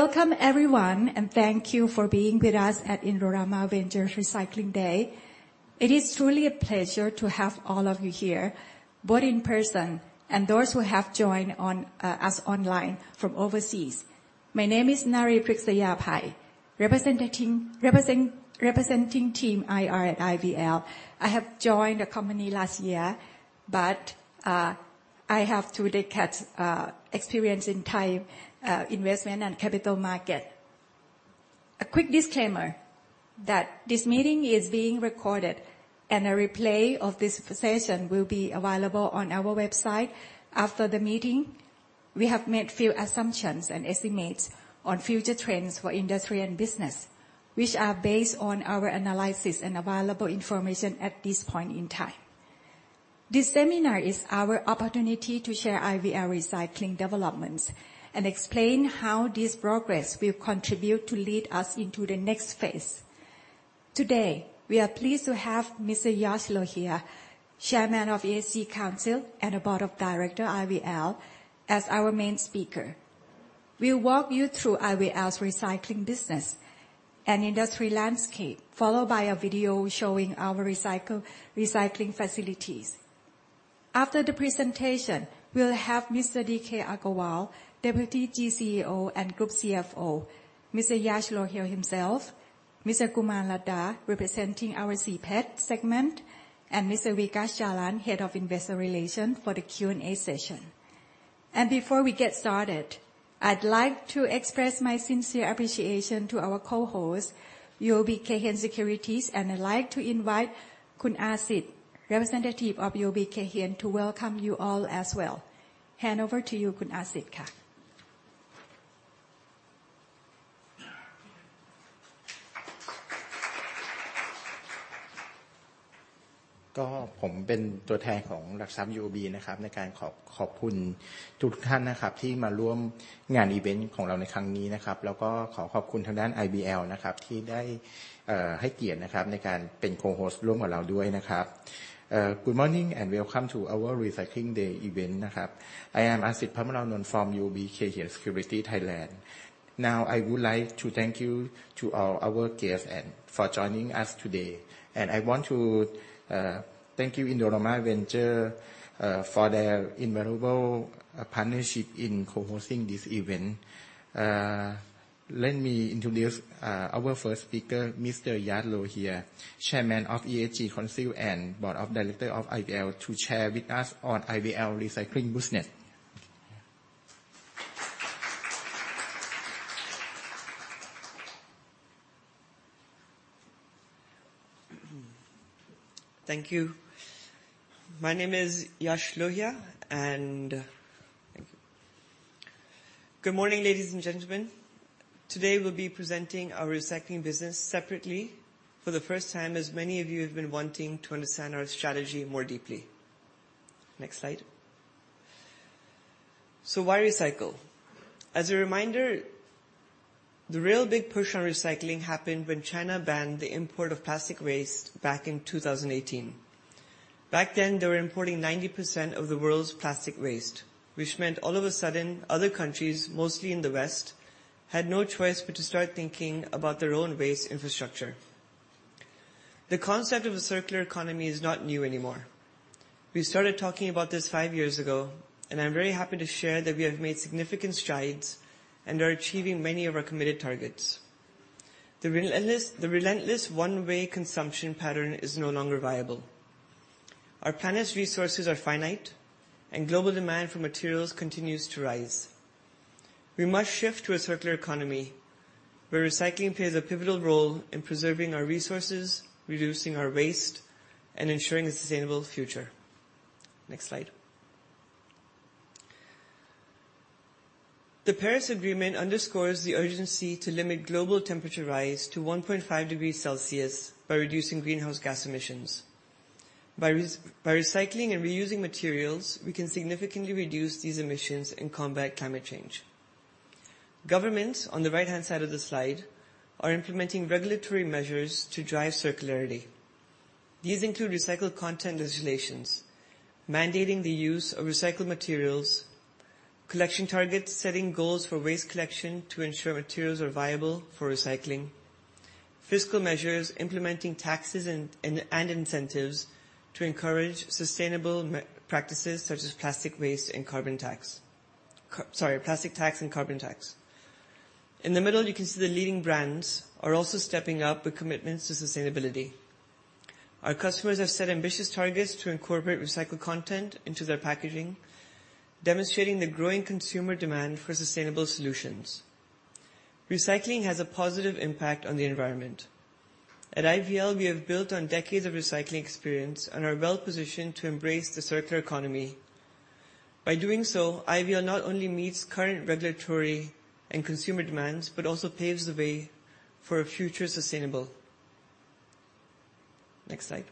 ...Welcome everyone, and thank you for being with us at Indorama Ventures Recycling Day. It is truly a pleasure to have all of you here, both in person and those who have joined on us online from overseas. My name is Naree Pruksayaphai, representing team IR at IVL. I have joined the company last year, but I have two decades experience in Thai investment and capital market. A quick disclaimer that this meeting is being recorded, and a replay of this session will be available on our website after the meeting. We have made few assumptions and estimates on future trends for industry and business, which are based on our analysis and available information at this point in time. This seminar is our opportunity to share IVL recycling developments and explain how this progress will contribute to lead us into the next phase. Today, we are pleased to have Mr. Yash Lohia, Chairman of the ESG Council and Executive Director, IVL, as our main speaker. We'll walk you through IVL's recycling business and industry landscape, followed by a video showing our recycling facilities. After the presentation, we'll have Mr. D.K. Agarwal, Deputy Group CEO and Group CFO, Mr. Yash Lohia himself, Mr. Kumar Ladha, representing our CPET segment, and Mr. Vikash Jalan, Head of Investor Relations, for the Q&A session. Before we get started, I'd like to express my sincere appreciation to our co-host, UOB Kay Hian Securities, and I'd like to invite Khun Arsit, representative of UOB Kay Hian, to welcome you all as well. Hand over to you, Khun Arsit. Good morning, and welcome to our Recycling Day event, krub. I am Arsit Pamaranont from UOB Kay Hian Securities Thailand. Now, I would like to thank you to all our guests and for joining us today. And I want to thank you, Indorama Ventures, for their invaluable partnership in co-hosting this event. Let me introduce our first speaker, Mr. Yash Lohia, Chairman of ESG Council and Board of Director of IVL, to share with us on IVL recycling business. Thank you. My name is Yash Lohia, and... Thank you. Good morning, ladies and gentlemen. Today, we'll be presenting our recycling business separately for the first time, as many of you have been wanting to understand our strategy more deeply. Next slide. So why recycle? As a reminder, the real big push on recycling happened when China banned the import of plastic waste back in 2018. Back then, they were importing 90% of the world's plastic waste, which meant all of a sudden, other countries, mostly in the West, had no choice but to start thinking about their own waste infrastructure. The concept of a circular economy is not new anymore. We started talking about this five years ago, and I'm very happy to share that we have made significant strides and are achieving many of our committed targets. The relentless one-way consumption pattern is no longer viable. Our planet's resources are finite, and global demand for materials continues to rise. We must shift to a circular economy, where recycling plays a pivotal role in preserving our resources, reducing our waste, and ensuring a sustainable future. Next slide. The Paris Agreement underscores the urgency to limit global temperature rise to 1.5 degrees Celsius by reducing greenhouse gas emissions. By recycling and reusing materials, we can significantly reduce these emissions and combat climate change. Governments, on the right-hand side of the slide, are implementing regulatory measures to drive circularity. These include recycled content regulations, mandating the use of recycled materials. Collection targets, setting goals for waste collection to ensure materials are viable for recycling. Fiscal measures, implementing taxes and incentives to encourage sustainable practices such as plastic waste and carbon tax. Sorry, plastic tax and carbon tax. In the middle, you can see the leading brands are also stepping up with commitments to sustainability. Our customers have set ambitious targets to incorporate recycled content into their packaging, demonstrating the growing consumer demand for sustainable solutions. Recycling has a positive impact on the environment. At IVL, we have built on decades of recycling experience and are well-positioned to embrace the circular economy. By doing so, IVL not only meets current regulatory and consumer demands, but also paves the way for a future sustainable. Next slide.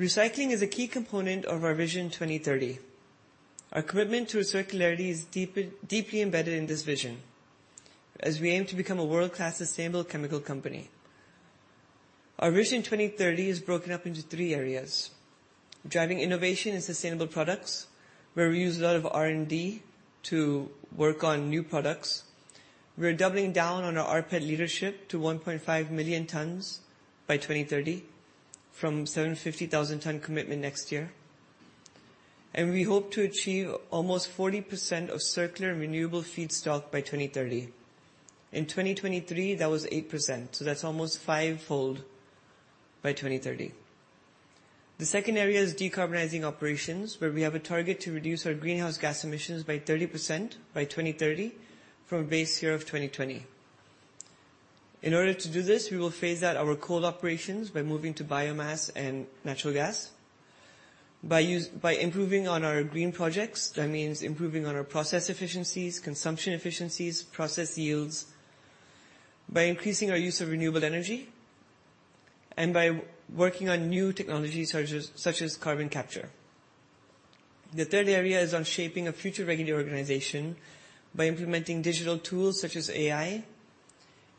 Recycling is a key component of our Vision 2030. Our commitment to circularity is deeply embedded in this vision, as we aim to become a world-class sustainable chemical company. Our Vision 2030 is broken up into three areas: driving innovation and sustainable products, where we use a lot of R&D to work on new products. We're doubling down on our rPET leadership to 1.5 million tons by 2030, from 750,000 ton commitment next year. And we hope to achieve almost 40% of circular renewable feedstock by 2030. In 2023, that was 8%, so that's almost fivefold by 2030. The second area is decarbonizing operations, where we have a target to reduce our greenhouse gas emissions by 30% by 2030, from a base year of 2020. In order to do this, we will phase out our coal operations by moving to biomass and natural gas. By improving on our green projects, that means improving on our process efficiencies, consumption efficiencies, process yields, by increasing our use of renewable energy, and by working on new technologies such as carbon capture. The third area is on shaping a future-ready organization by implementing digital tools such as AI,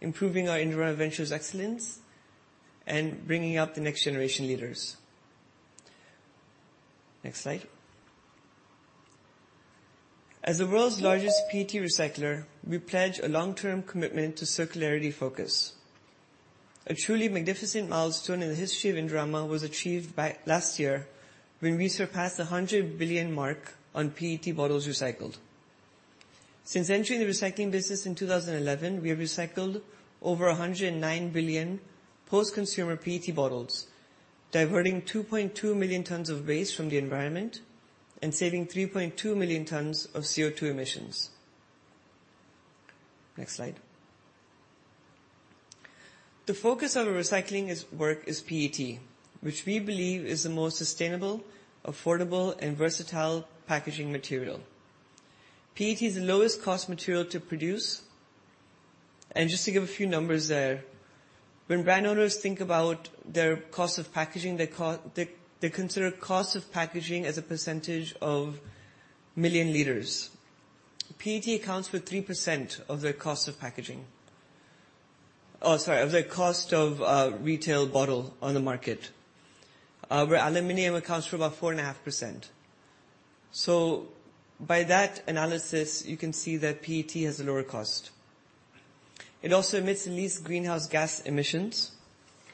improving our Indorama Ventures Excellence, and bringing up the next generation leaders. Next slide. As the world's largest PET recycler, we pledge a long-term commitment to circularity focus. A truly magnificent milestone in the history of Indorama was achieved by last year when we surpassed the 100 billion mark on PET bottles recycled. Since entering the recycling business in 2011, we have recycled over 109 billion post-consumer PET bottles, diverting 2.2 million tons of waste from the environment and saving 3.2 million tons of CO2 emissions. Next slide. The focus of our recycling is work is PET, which we believe is the most sustainable, affordable, and versatile packaging material. PET is the lowest cost material to produce. And just to give a few numbers there, when brand owners think about their cost of packaging, they consider cost of packaging as a percentage of million liters. PET accounts for 3% of their cost of packaging. Oh, sorry, of the cost of retail bottle on the market, where aluminum accounts for about 4.5%. So by that analysis, you can see that PET has a lower cost. It also emits the least greenhouse gas emissions,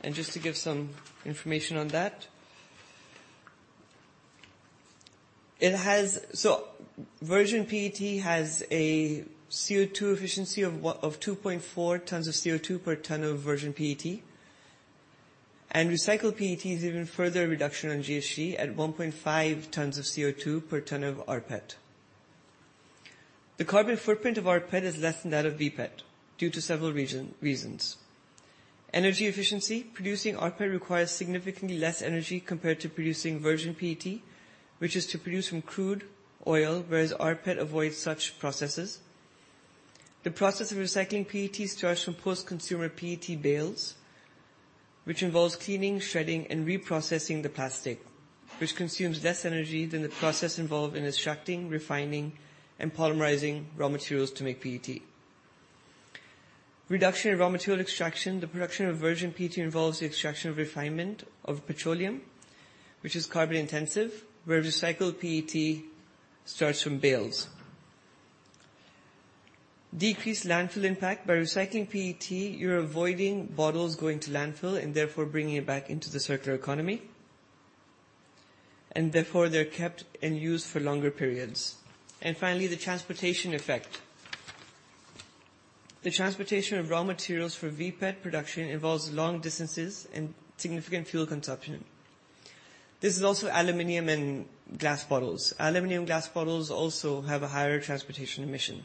and just to give some information on that. It has... So virgin PET has a CO2 efficiency of what? Of 2.4 tons of CO2 per ton of virgin PET, and recycled PET is even further reduction on GHG at 1.5 tons of CO2 per ton of rPET. The carbon footprint of rPET is less than that of VPET due to several reasons. Energy efficiency. Producing rPET requires significantly less energy compared to producing virgin PET, which is to produce from crude oil, whereas rPET avoids such processes. The process of recycling PET starts from post-consumer PET bales, which involves cleaning, shredding, and reprocessing the plastic, which consumes less energy than the process involved in extracting, refining, and polymerizing raw materials to make PET. Reduction in raw material extraction. The production of virgin PET involves the extraction and refinement of petroleum, which is carbon intensive, where recycled PET starts from bales. Decreased landfill impact. By recycling PET, you're avoiding bottles going to landfill and therefore bringing it back into the circular economy, and therefore, they're kept and used for longer periods. And finally, the transportation effect. The transportation of raw materials for VPET production involves long distances and significant fuel consumption. This is also aluminum and glass bottles. Aluminum and glass bottles also have a higher transportation emission.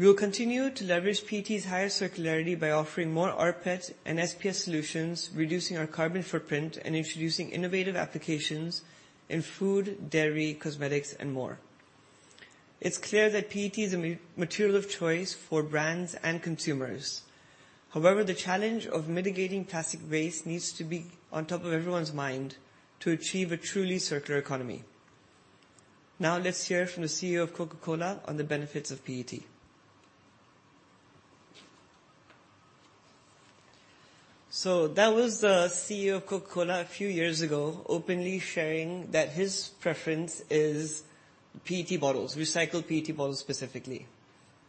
We will continue to leverage PET's higher circularity by offering more rPET and SPS solutions, reducing our carbon footprint, and introducing innovative applications in food, dairy, cosmetics, and more. It's clear that PET is a material of choice for brands and consumers. However, the challenge of mitigating plastic waste needs to be on top of everyone's mind to achieve a truly circular economy. Now, let's hear from the CEO of Coca-Cola on the benefits of PET. So that was the CEO of Coca-Cola a few years ago, openly sharing that his preference is PET bottles, recycled PET bottles, specifically.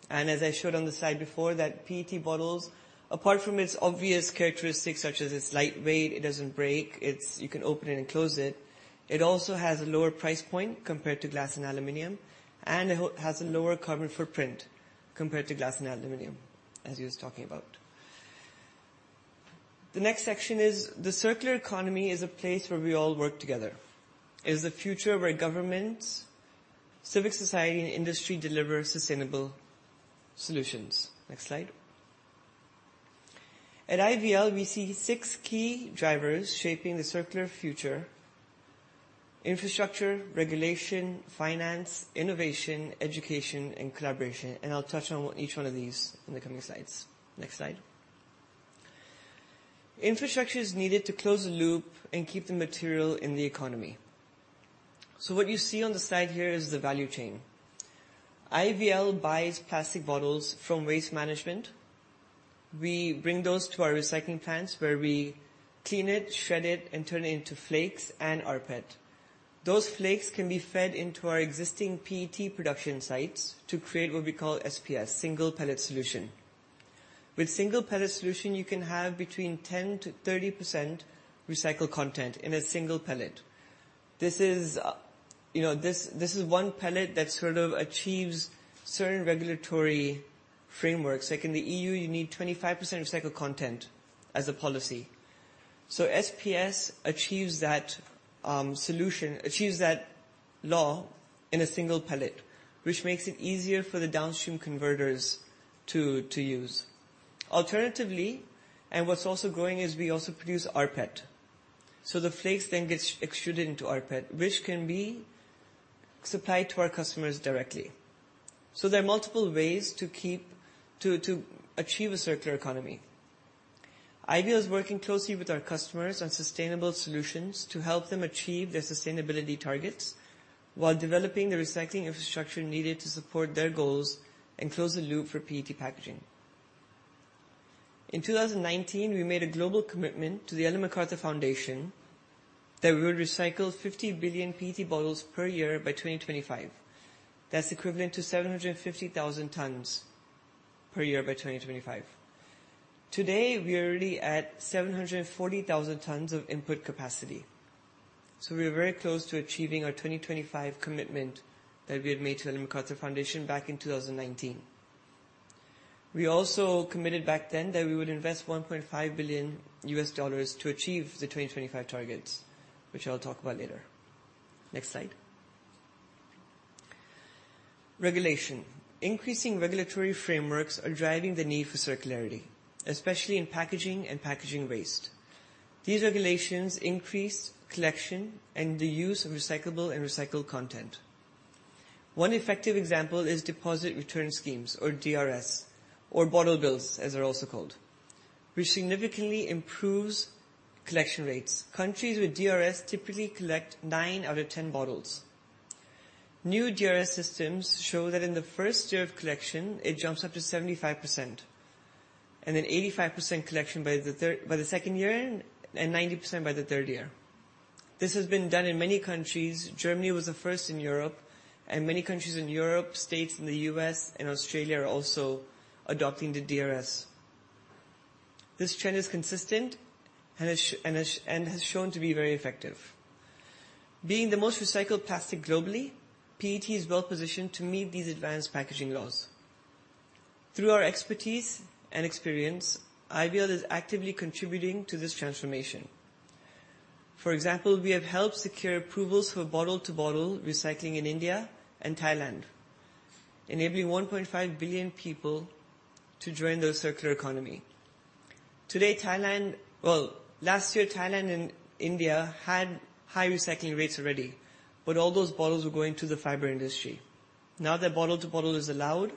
And as I showed on the slide before, that PET bottles, apart from its obvious characteristics, such as it's lightweight, it doesn't break, it's... You can open it and close it. It also has a lower price point compared to glass and aluminum, and it has a lower carbon footprint compared to glass and aluminum, as he was talking about. The next section is: the circular economy is a place where we all work together. It is a future where governments, civil society, and industry deliver sustainable solutions. Next slide. At IVL, we see six key drivers shaping the circular future: infrastructure, regulation, finance, innovation, education, and collaboration, and I'll touch on each one of these in the coming slides. Next slide. Infrastructure is needed to close the loop and keep the material in the economy. So what you see on the slide here is the value chain. IVL buys plastic bottles from waste management. We bring those to our recycling plants, where we clean it, shred it, and turn it into flakes and rPET. Those flakes can be fed into our existing PET production sites to create what we call SPS, single pellet solution. With single pellet solution, you can have between 10%-30% recycled content in a single pellet. This is, you know, this is one pellet that sort of achieves certain regulatory frameworks. Like in the EU, you need 25% recycled content as a policy. So SPS achieves that, solution, achieves that law in a single pellet, which makes it easier for the downstream converters to use. Alternatively, what's also growing is we also produce rPET. So the flakes then gets extruded into rPET, which can be supplied to our customers directly. So there are multiple ways to keep... to achieve a circular economy. IVL is working closely with our customers on sustainable solutions to help them achieve their sustainability targets, while developing the recycling infrastructure needed to support their goals and close the loop for PET packaging. In 2019, we made a global commitment to the Ellen MacArthur Foundation that we would recycle 50 billion PET bottles per year by 2025. That's equivalent to 750,000 tons per year by 2025. Today, we are already at 740,000 tons of input capacity. So we are very close to achieving our 2025 commitment that we had made to the Ellen MacArthur Foundation back in 2019. We also committed back then that we would invest $1.5 billion to achieve the 2025 targets, which I'll talk about later. Next slide. Regulation. Increasing regulatory frameworks are driving the need for circularity, especially in packaging and packaging waste. These regulations increase collection and the use of recyclable and recycled content. One effective example is Deposit Return Schemes, or DRS, or bottle bills, as they're also called, which significantly improves collection rates. Countries with DRS typically collect nine out of ten bottles. New DRS systems show that in the first year of collection, it jumps up to 75%, and then 85% collection by the second year, and 90% by the third year. This has been done in many countries. Germany was the first in Europe, and many countries in Europe, states in the U.S. and Australia are also adopting the DRS. This trend is consistent and has shown to be very effective. Being the most recycled plastic globally, PET is well positioned to meet these advanced packaging laws. Through our expertise and experience, IVL is actively contributing to this transformation. For example, we have helped secure approvals for bottle-to-bottle recycling in India and Thailand, enabling 1.5 billion people to join the circular economy. Today, Thailand... Well, last year, Thailand and India had high recycling rates already, but all those bottles were going to the fiber industry. Now that bottle to bottle is allowed,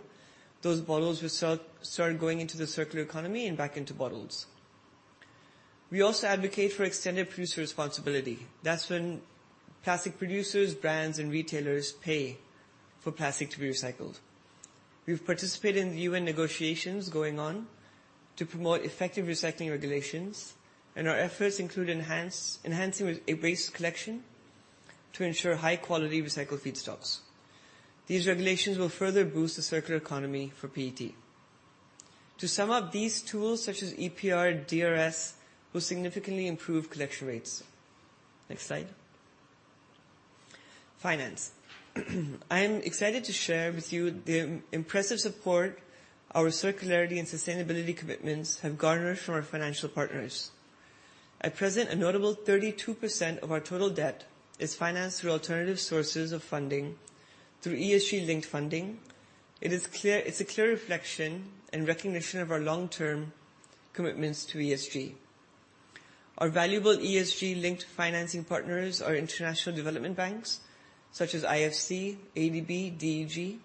those bottles will start going into the circular economy and back into bottles. We also advocate for extended producer responsibility. That's when plastic producers, brands, and retailers pay for plastic to be recycled. We've participated in the UN negotiations going on to promote effective recycling regulations, and our efforts include enhancing waste collection to ensure high-quality recycled feedstocks. These regulations will further boost the circular economy for PET. To sum up, these tools, such as EPR and DRS, will significantly improve collection rates. Next slide. Finance. I am excited to share with you the impressive support our circularity and sustainability commitments have garnered from our financial partners. At present, a notable 32% of our total debt is financed through alternative sources of funding through ESG-linked funding. It's a clear reflection and recognition of our long-term commitments to ESG. Our valuable ESG-linked financing partners are international development banks such as IFC, ADB, DEG.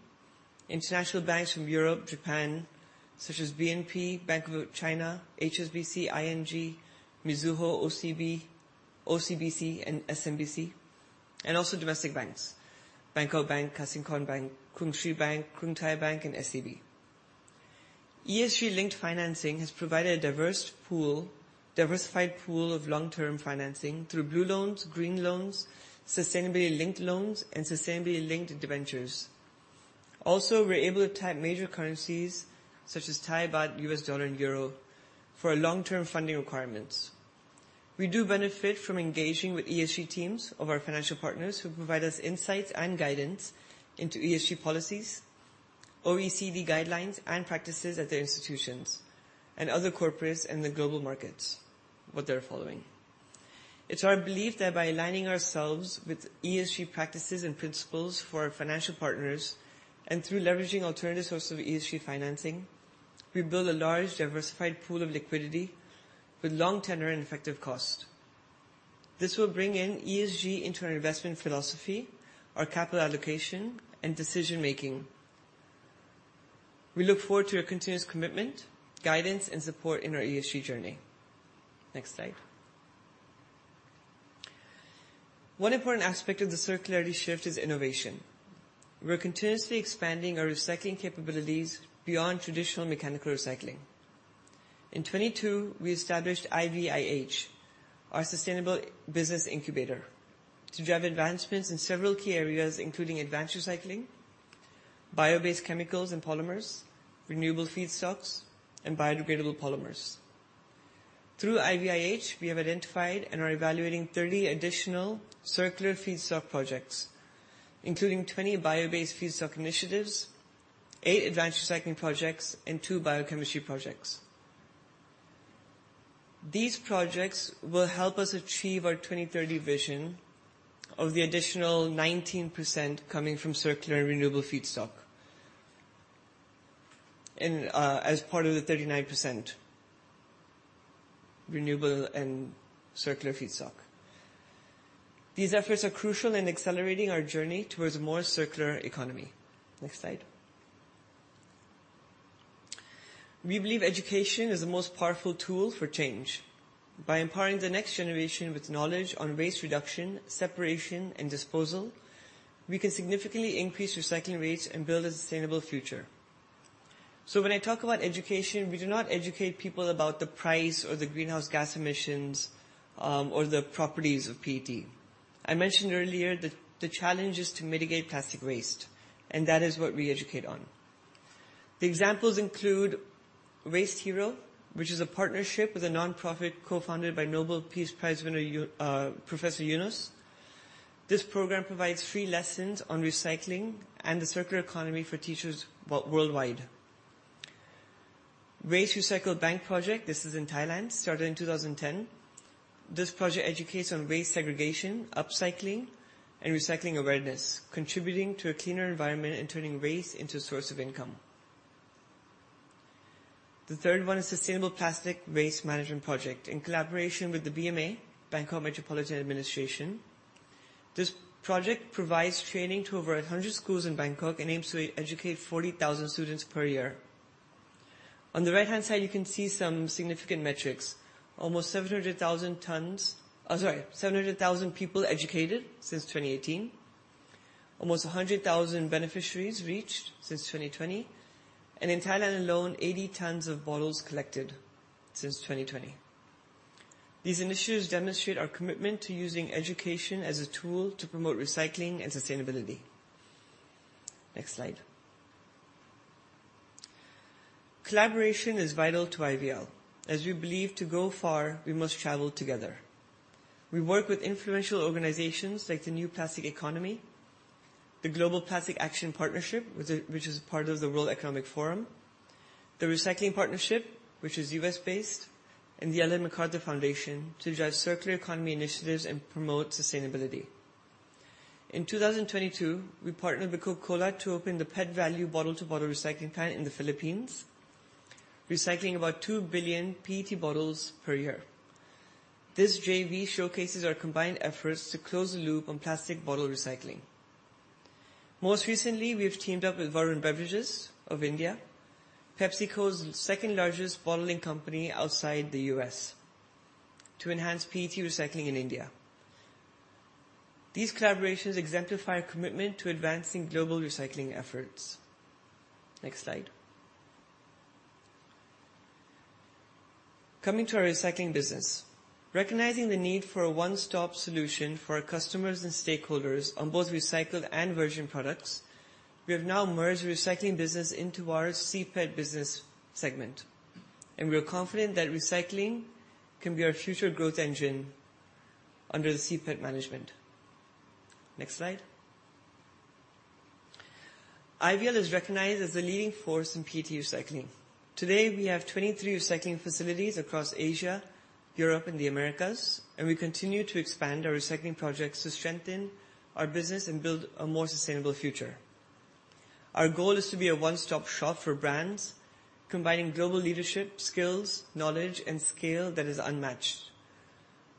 International banks from Europe, Japan, such as BNP, Bank of China, HSBC, ING, Mizuho, OCBC, and SMBC, and also domestic banks, Bangkok Bank, Kasikornbank, Krungsri Bank, Krungthai Bank, and SCB. ESG-linked financing has provided a diverse pool, diversified pool of long-term financing through blue loans, green loans, sustainability-linked loans, and sustainability-linked debentures. Also, we're able to tap major currencies such as Thai baht, U.S. dollar, and euro for our long-term funding requirements. We do benefit from engaging with ESG teams of our financial partners, who provide us insights and guidance into ESG policies, OECD guidelines, and practices at their institutions, and other corporates in the global markets, what they're following. It's our belief that by aligning ourselves with ESG practices and principles for our financial partners, and through leveraging alternative sources of ESG financing, we build a large, diversified pool of liquidity with long tenure and effective cost. This will bring in ESG into our investment philosophy, our capital allocation, and decision-making. We look forward to your continuous commitment, guidance, and support in our ESG journey. Next slide. One important aspect of the circularity shift is innovation. We're continuously expanding our recycling capabilities beyond traditional mechanical recycling. In 2022, we established IVIH, our sustainable business incubator, to drive advancements in several key areas, including advanced recycling, bio-based chemicals and polymers, renewable feedstocks, and biodegradable polymers. Through IVIH, we have identified and are evaluating 30 additional circular feedstock projects, including 20 bio-based feedstock initiatives, eight advanced recycling projects, and two biochemistry projects. These projects will help us achieve our 2030 vision of the additional 19% coming from circular and renewable feedstock, and as part of the 39% renewable and circular feedstock. These efforts are crucial in accelerating our journey towards a more circular economy. Next slide. We believe education is the most powerful tool for change. By empowering the next generation with knowledge on waste reduction, separation, and disposal, we can significantly increase recycling rates and build a sustainable future. So when I talk about education, we do not educate people about the price or the greenhouse gas emissions, or the properties of PET. I mentioned earlier the challenge is to mitigate plastic waste, and that is what we educate on. The examples include Waste Hero, which is a partnership with a nonprofit co-founded by Nobel Peace Prize winner Professor Yunus. This program provides free lessons on recycling and the circular economy for teachers worldwide. Waste Recycle Bank Project, this is in Thailand, started in 2010. This project educates on waste segregation, upcycling, and recycling awareness, contributing to a cleaner environment and turning waste into a source of income. The third one is Sustainable Plastic Waste Management Project. In collaboration with the BMA, Bangkok Metropolitan Administration, this project provides training to over 100 schools in Bangkok and aims to educate 40,000 students per year. On the right-hand side, you can see some significant metrics. Almost 700,000 tons... Oh, sorry, 700,000 people educated since 2018. Almost 100,000 beneficiaries reached since 2020, and in Thailand alone, 80 tons of bottles collected since 2020. These initiatives demonstrate our commitment to using education as a tool to promote recycling and sustainability. Next slide. Collaboration is vital to IVL, as we believe to go far, we must travel together. We work with influential organizations like the New Plastics Economy, the Global Plastic Action Partnership, which is part of the World Economic Forum, the Recycling Partnership, which is U.S.-based, and the Ellen MacArthur Foundation, to drive circular economy initiatives and promote sustainability. In 2022, we partnered with Coca-Cola to open the PETValue bottle-to-bottle recycling plant in the Philippines, recycling about 2 billion PET bottles per year. This JV showcases our combined efforts to close the loop on plastic bottle recycling. Most recently, we have teamed up with Varun Beverages of India, PepsiCo's second-largest bottling company outside the U.S., to enhance PET recycling in India. These collaborations exemplify our commitment to advancing global recycling efforts. Next slide. Coming to our recycling business. Recognizing the need for a one-stop solution for our customers and stakeholders on both recycled and virgin products, we have now merged the recycling business into our CPET business segment, and we are confident that recycling can be our future growth engine under the CPET management. Next slide. IVL is recognized as the leading force in PET recycling. Today, we have 23 recycling facilities across Asia, Europe, and the Americas, and we continue to expand our recycling projects to strengthen our business and build a more sustainable future. Our goal is to be a one-stop shop for brands, combining global leadership, skills, knowledge, and scale that is unmatched.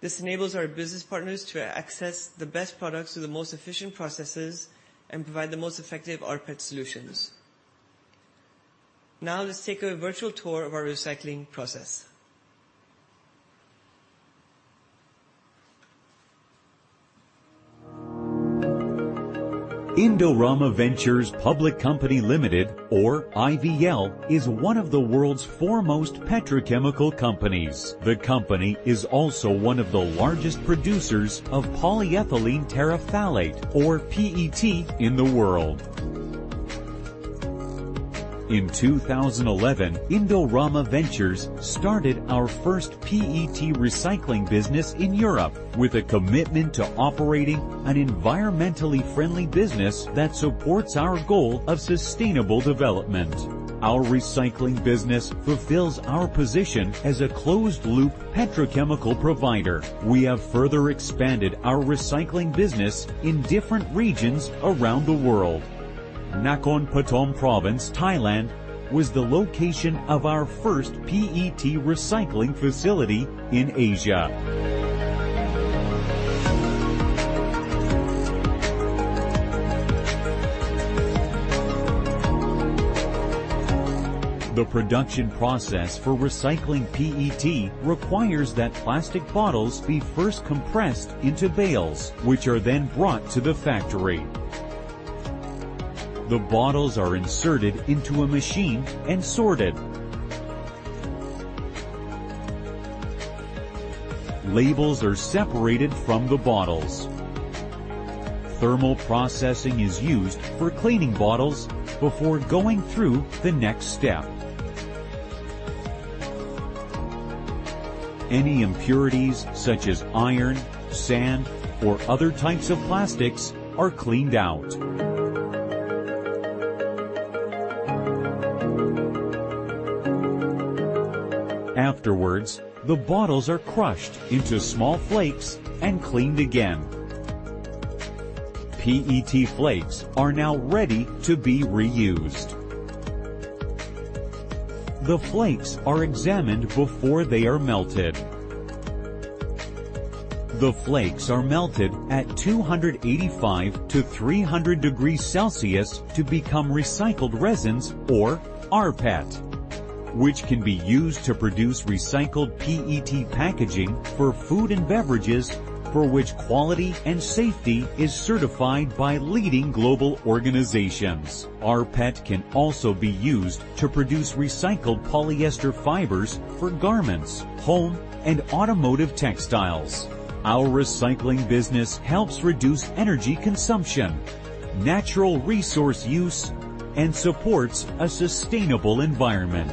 This enables our business partners to access the best products through the most efficient processes and provide the most effective rPET solutions. Now, let's take a virtual tour of our recycling process. Indorama Ventures Public Company Limited, or IVL, is one of the world's foremost petrochemical companies. The company is also one of the largest producers of polyethylene terephthalate, or PET, in the world. In 2011, Indorama Ventures started our first PET recycling business in Europe with a commitment to operating an environmentally friendly business that supports our goal of sustainable development. Our recycling business fulfills our position as a closed-loop petrochemical provider. We have further expanded our recycling business in different regions around the world. Nakhon Pathom Province, Thailand, was the location of our first PET recycling facility in Asia. The production process for recycling PET requires that plastic bottles be first compressed into bales, which are then brought to the factory. The bottles are inserted into a machine and sorted. Labels are separated from the bottles. Thermal processing is used for cleaning bottles before going through the next step. Any impurities, such as iron, sand, or other types of plastics, are cleaned out. Afterwards, the bottles are crushed into small flakes and cleaned again. PET flakes are now ready to be reused. The flakes are examined before they are melted. The flakes are melted at 285-300 degrees Celsius to become recycled resins or rPET, which can be used to produce recycled PET packaging for food and beverages, for which quality and safety is certified by leading global organizations. rPET can also be used to produce recycled polyester fibers for garments, home, and automotive textiles. Our recycling business helps reduce energy consumption, natural resource use, and supports a sustainable environment.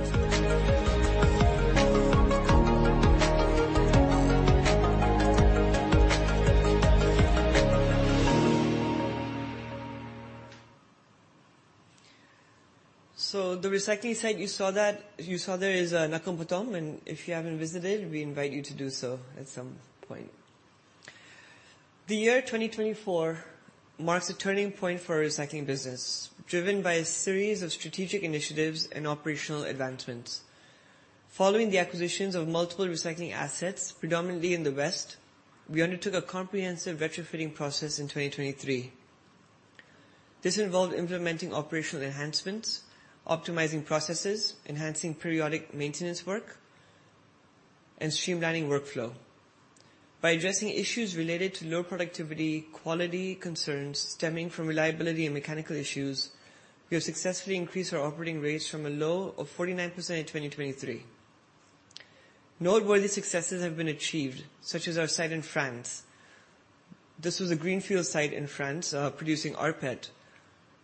So the recycling site you saw there is Nakhon Pathom, and if you haven't visited, we invite you to do so at some point. The year 2024 marks a turning point for our recycling business, driven by a series of strategic initiatives and operational advancements. Following the acquisitions of multiple recycling assets, predominantly in the West, we undertook a comprehensive retrofitting process in 2023. This involved implementing operational enhancements, optimizing processes, enhancing periodic maintenance work, and streamlining workflow. By addressing issues related to low productivity, quality concerns stemming from reliability and mechanical issues, we have successfully increased our operating rates from a low of 49% in 2023. Noteworthy successes have been achieved, such as our site in France. This was a greenfield site in France, producing rPET,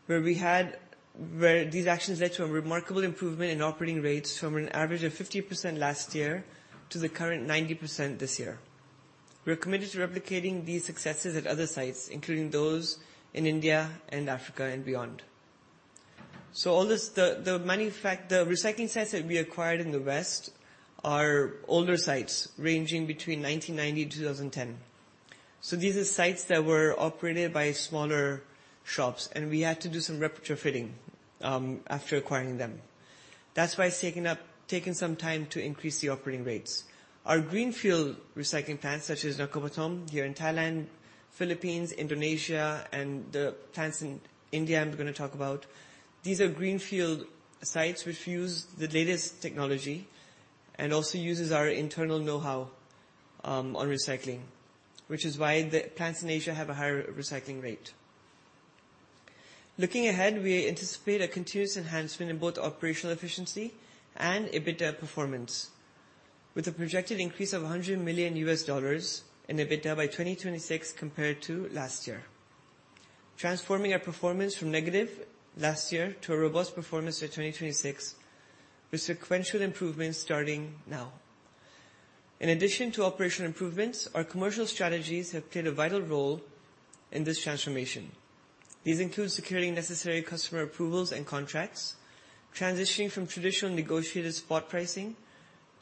where these actions led to a remarkable improvement in operating rates from an average of 50% last year to the current 90% this year. We are committed to replicating these successes at other sites, including those in India and Africa and beyond. So all this, the recycling sites that we acquired in the West are older sites ranging between 1990 and 2010. So these are sites that were operated by smaller shops, and we had to do some retrofitting after acquiring them. That's why it's taking taking some time to increase the operating rates. Our greenfield recycling plants, such as Nakhon Pathom here in Thailand, Philippines, Indonesia, and the plants in India, I'm going to talk about. These are greenfield sites which use the latest technology and also uses our internal know-how on recycling, which is why the plants in Asia have a higher recycling rate. Looking ahead, we anticipate a continuous enhancement in both operational efficiency and EBITDA performance, with a projected increase of $100 million in EBITDA by 2026 compared to last year. Transforming our performance from negative last year to a robust performance by 2026, with sequential improvements starting now. In addition to operational improvements, our commercial strategies have played a vital role in this transformation. These include securing necessary customer approvals and contracts, transitioning from traditional negotiated spot pricing to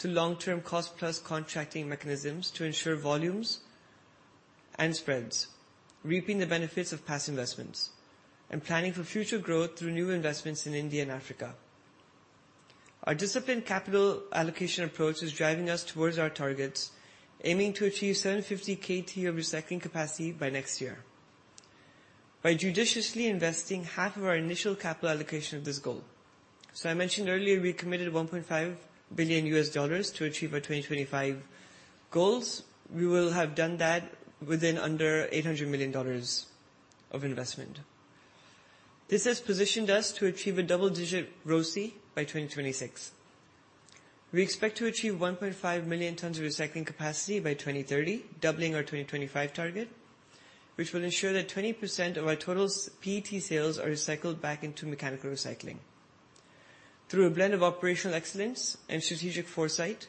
long-term cost-plus contracting mechanisms to ensure volumes and spreads, reaping the benefits of past investments, and planning for future growth through new investments in India and Africa. Our disciplined capital allocation approach is driving us towards our targets, aiming to achieve 750 KT of recycling capacity by next year, by judiciously investing half of our initial capital allocation of this goal. So I mentioned earlier, we committed $1.5 billion to achieve our 2025 goals. We will have done that within under $800 million of investment. This has positioned us to achieve a double-digit ROCE by 2026. We expect to achieve 1.5 million tons of recycling capacity by 2030, doubling our 2025 target, which will ensure that 20% of our total PET sales are recycled back into mechanical recycling. Through a blend of operational excellence and strategic foresight,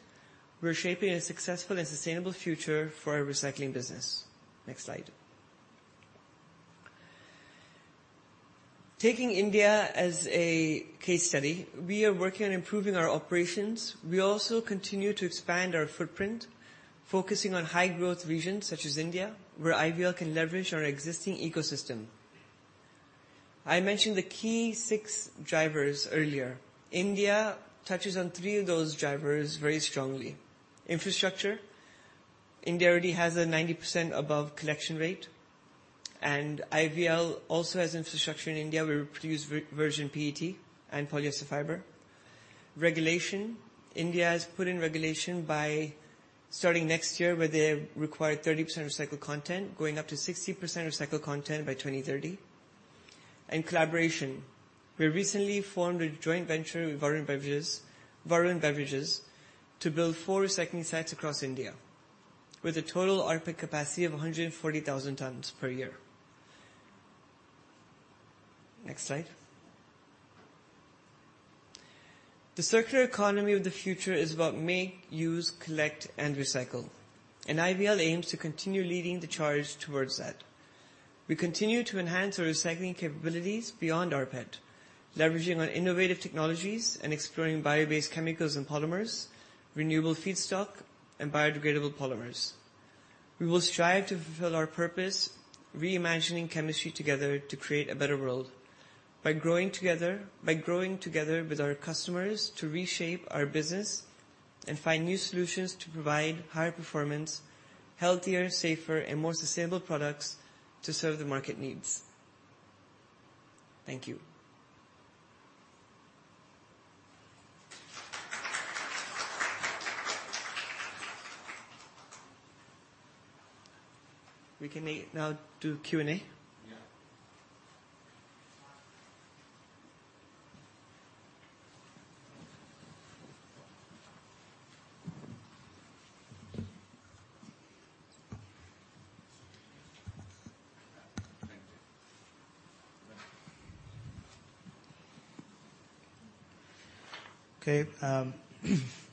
we're shaping a successful and sustainable future for our recycling business. Next slide. Taking India as a case study, we are working on improving our operations. We also continue to expand our footprint, focusing on high-growth regions such as India, where IVL can leverage our existing ecosystem. I mentioned the key six drivers earlier. India touches on three of those drivers very strongly. Infrastructure, India already has a 90%+ collection rate, and IVL also has infrastructure in India, where we produce virgin PET and polyester fiber. Regulation, India has put in regulation by starting next year, where they require 30% recycled content, going up to 60% recycled content by 2030. And collaboration, we recently formed a joint venture with Varun Beverages, Varun Beverages, to build four recycling sites across India, with a total RPET capacity of 140,000 tons per year. Next slide. The circular economy of the future is about make, use, collect, and recycle, and IVL aims to continue leading the charge towards that. We continue to enhance our recycling capabilities beyond rPET, leveraging on innovative technologies and exploring bio-based chemicals and polymers, renewable feedstock, and biodegradable polymers. We will strive to fulfill our purpose, reimagining chemistry together to create a better world, by growing together - by growing together with our customers to reshape our business and find new solutions to provide higher performance, healthier, safer, and more sustainable products to serve the market needs. Thank you. We can now do Q&A? Yeah. Thank you. Okay,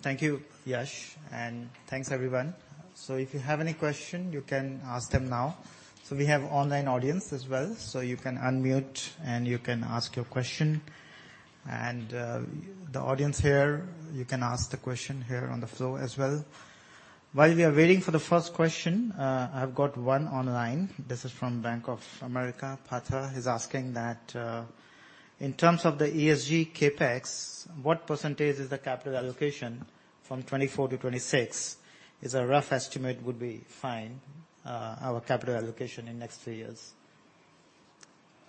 thank you, Yash, and thanks, everyone. So if you have any question, you can ask them now. So we have online audience as well, so you can unmute, and you can ask your question. And, the audience here, you can ask the question here on the floor as well. While we are waiting for the first question, I've got one online. This is from Bank of America. Partha is asking that, "In terms of the ESG CapEx, what percentage is the capital allocation from 2024 to 2026? As a rough estimate would be fine, our capital allocation in next three years.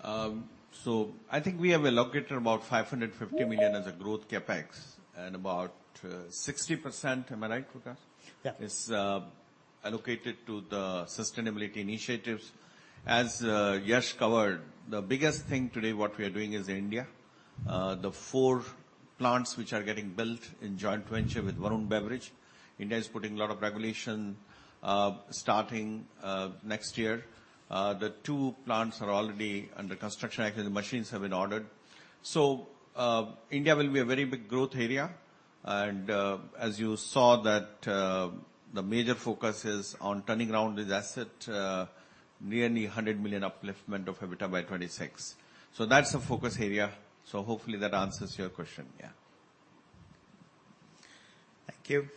So I think we have allocated about $550 million as a growth CapEx, and about 60%. Am I right, Kumar? Yeah. Is allocated to the sustainability initiatives. As Yash covered, the biggest thing today, what we are doing is India. The four plants which are getting built in joint venture with Varun Beverages. India is putting a lot of regulation, starting next year. The two plants are already under construction. Actually, the machines have been ordered. So, India will be a very big growth area, and, as you saw that, the major focus is on turning around this asset, nearly $100 million upliftment of EBITDA by 2026. So that's a focus area. So hopefully that answers your question. Yeah. Thank you.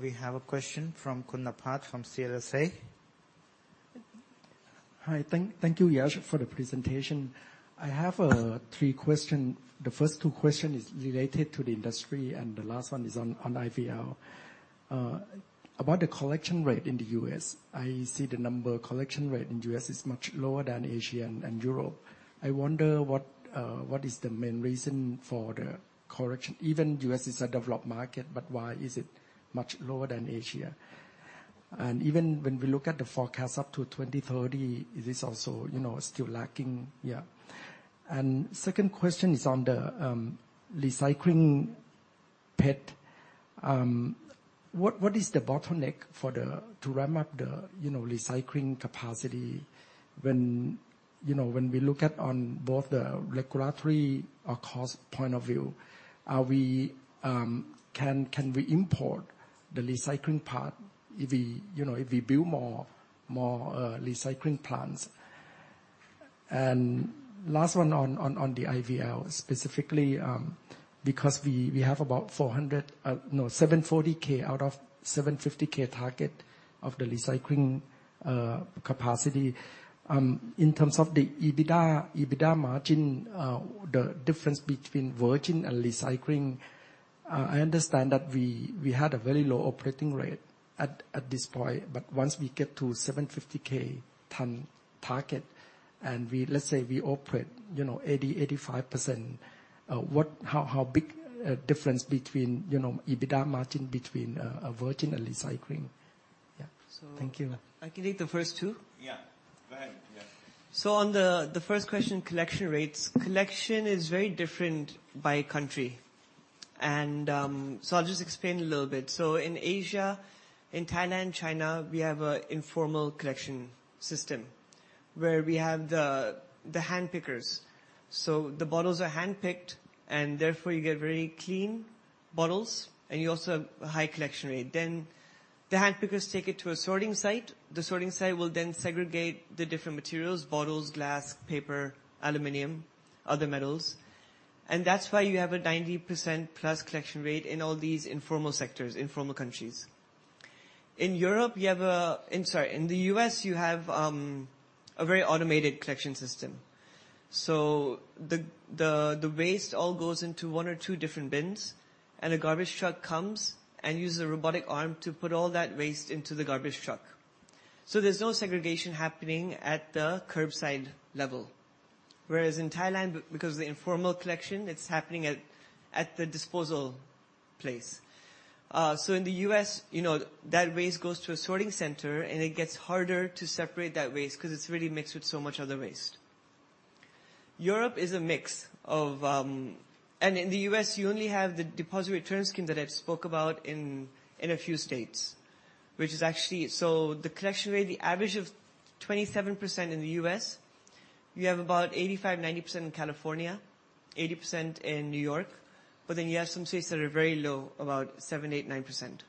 We have a question from Kunaphat, from CLSA. Hi, thank you, Yash, for the presentation. I have three question. The first two question is related to the industry, and the last one is on IVL. About the collection rate in the U.S., I see the number collection rate in U.S. is much lower than Asia and Europe. I wonder what is the main reason for the collection? Even U.S. is a developed market, but why is it much lower than Asia? And even when we look at the forecast up to 2030, it is also, you know, still lacking. Yeah. And second question is on the recycling PET. What is the bottleneck for the to ramp up the, you know, recycling capacity? When, you know, when we look at on both the regulatory or cost point of view, are we... Can we import the recycling part if we, you know, if we build more recycling plants? Last one on the IVL, specifically, because we have about 740,000 out of 750,000 target of the recycling capacity. In terms of the EBITDA, EBITDA margin, the difference between virgin and recycling, I understand that we had a very low operating rate at this point, but once we get to 750,000 ton target, and we... Let's say we operate, you know, 80%-85%, what how big difference between, you know, EBITDA margin between virgin and recycling? Yeah. Thank you. So I can take the first two? Yeah. Go ahead, Yash. So on the first question, collection rates. Collection is very different by country. And so I'll just explain a little bit. So in Asia, in Thailand, China, we have an informal collection system where we have the hand pickers. So the bottles are handpicked, and therefore, you get very clean bottles, and you also have a high collection rate. Then the hand pickers take it to a sorting site. The sorting site will then segregate the different materials: bottles, glass, paper, aluminum, other metals. And that's why you have a 90%+ collection rate in all these informal sectors, informal countries... In Europe, you have a—I'm sorry. In the U.S., you have a very automated collection system. So the waste all goes into one or two different bins, and a garbage truck comes and uses a robotic arm to put all that waste into the garbage truck. So there's no segregation happening at the curbside level. Whereas in Thailand, because of the informal collection, it's happening at the disposal place. So in the US, you know, that waste goes to a sorting center, and it gets harder to separate that waste 'cause it's really mixed with so much other waste. Europe is a mix of... In the U.S., you only have the Deposit Return Scheme that I spoke about in a few states, which is actually. So the collection rate, the average of 27% in the U.S., you have about 85%-90% in California, 80% in New York, but then you have some states that are very low, about 7%-9%,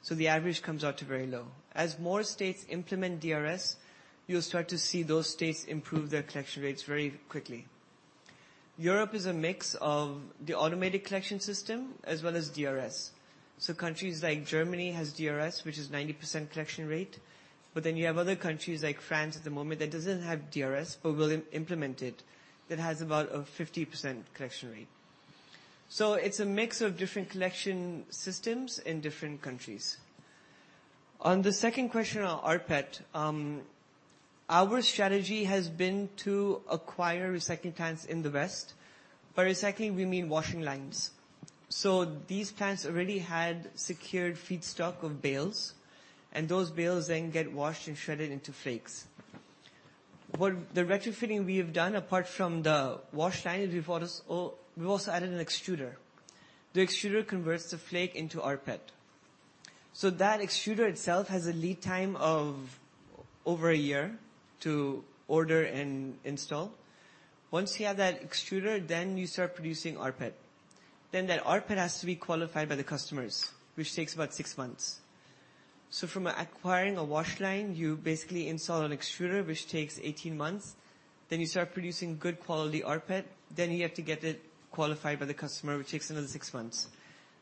so the average comes out to very low. As more states implement DRS, you'll start to see those states improve their collection rates very quickly. Europe is a mix of the automated collection system as well as DRS. So countries like Germany has DRS, which is 90% collection rate, but then you have other countries like France at the moment, that doesn't have DRS, but will implement it, that has about a 50% collection rate. So it's a mix of different collection systems in different countries. On the second question on rPET, our strategy has been to acquire recycling plants in the West. By recycling, we mean washing lines. So these plants already had secured feedstock of bales, and those bales then get washed and shredded into flakes. The retrofitting we have done, apart from the wash line, we've also added an extruder. The extruder converts the flake into rPET. So that extruder itself has a lead time of over a year to order and install. Once you have that extruder, then you start producing rPET. Then that rPET has to be qualified by the customers, which takes about six months. So from acquiring a wash line, you basically install an extruder, which takes 18 months. Then you start producing good quality rPET, then you have to get it qualified by the customer, which takes another six months.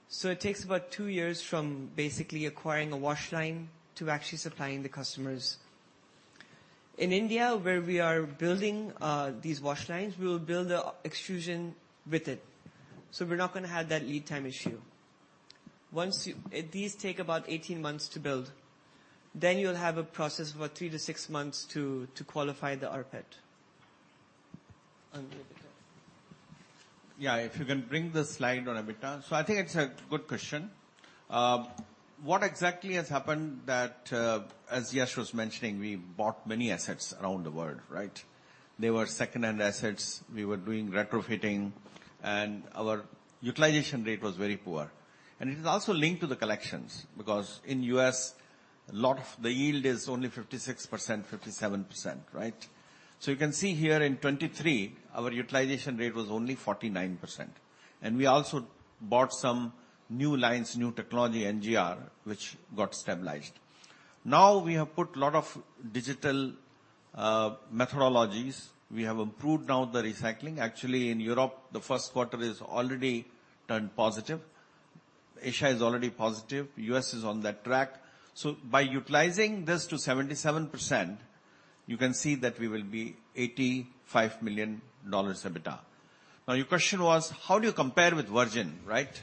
So it takes about two years from basically acquiring a wash line to actually supplying the customers. In India, where we are building these wash lines, we will build an extrusion with it, so we're not gonna have that lead time issue. These take about 18 months to build, then you'll have a process of about three-six months to qualify the rPET. D.K.? Yeah, if you can bring the slide on EBITDA. So I think it's a good question. What exactly has happened that, as Yash was mentioning, we bought many assets around the world, right? They were second-hand assets, we were doing retrofitting, and our utilization rate was very poor. And it is also linked to the collections, because in U.S., a lot of the yield is only 56%, 57%, right? So you can see here in 2023, our utilization rate was only 49%, and we also bought some new lines, new technology, NGR, which got stabilized. Now, we have put a lot of digital methodologies. We have improved now the recycling. Actually, in Europe, the first quarter is already turned positive. Asia is already positive, U.S. is on that track. So by utilizing this to 77%, you can see that we will be $85 million EBITDA. Now, your question was, how do you compare with virgin, right?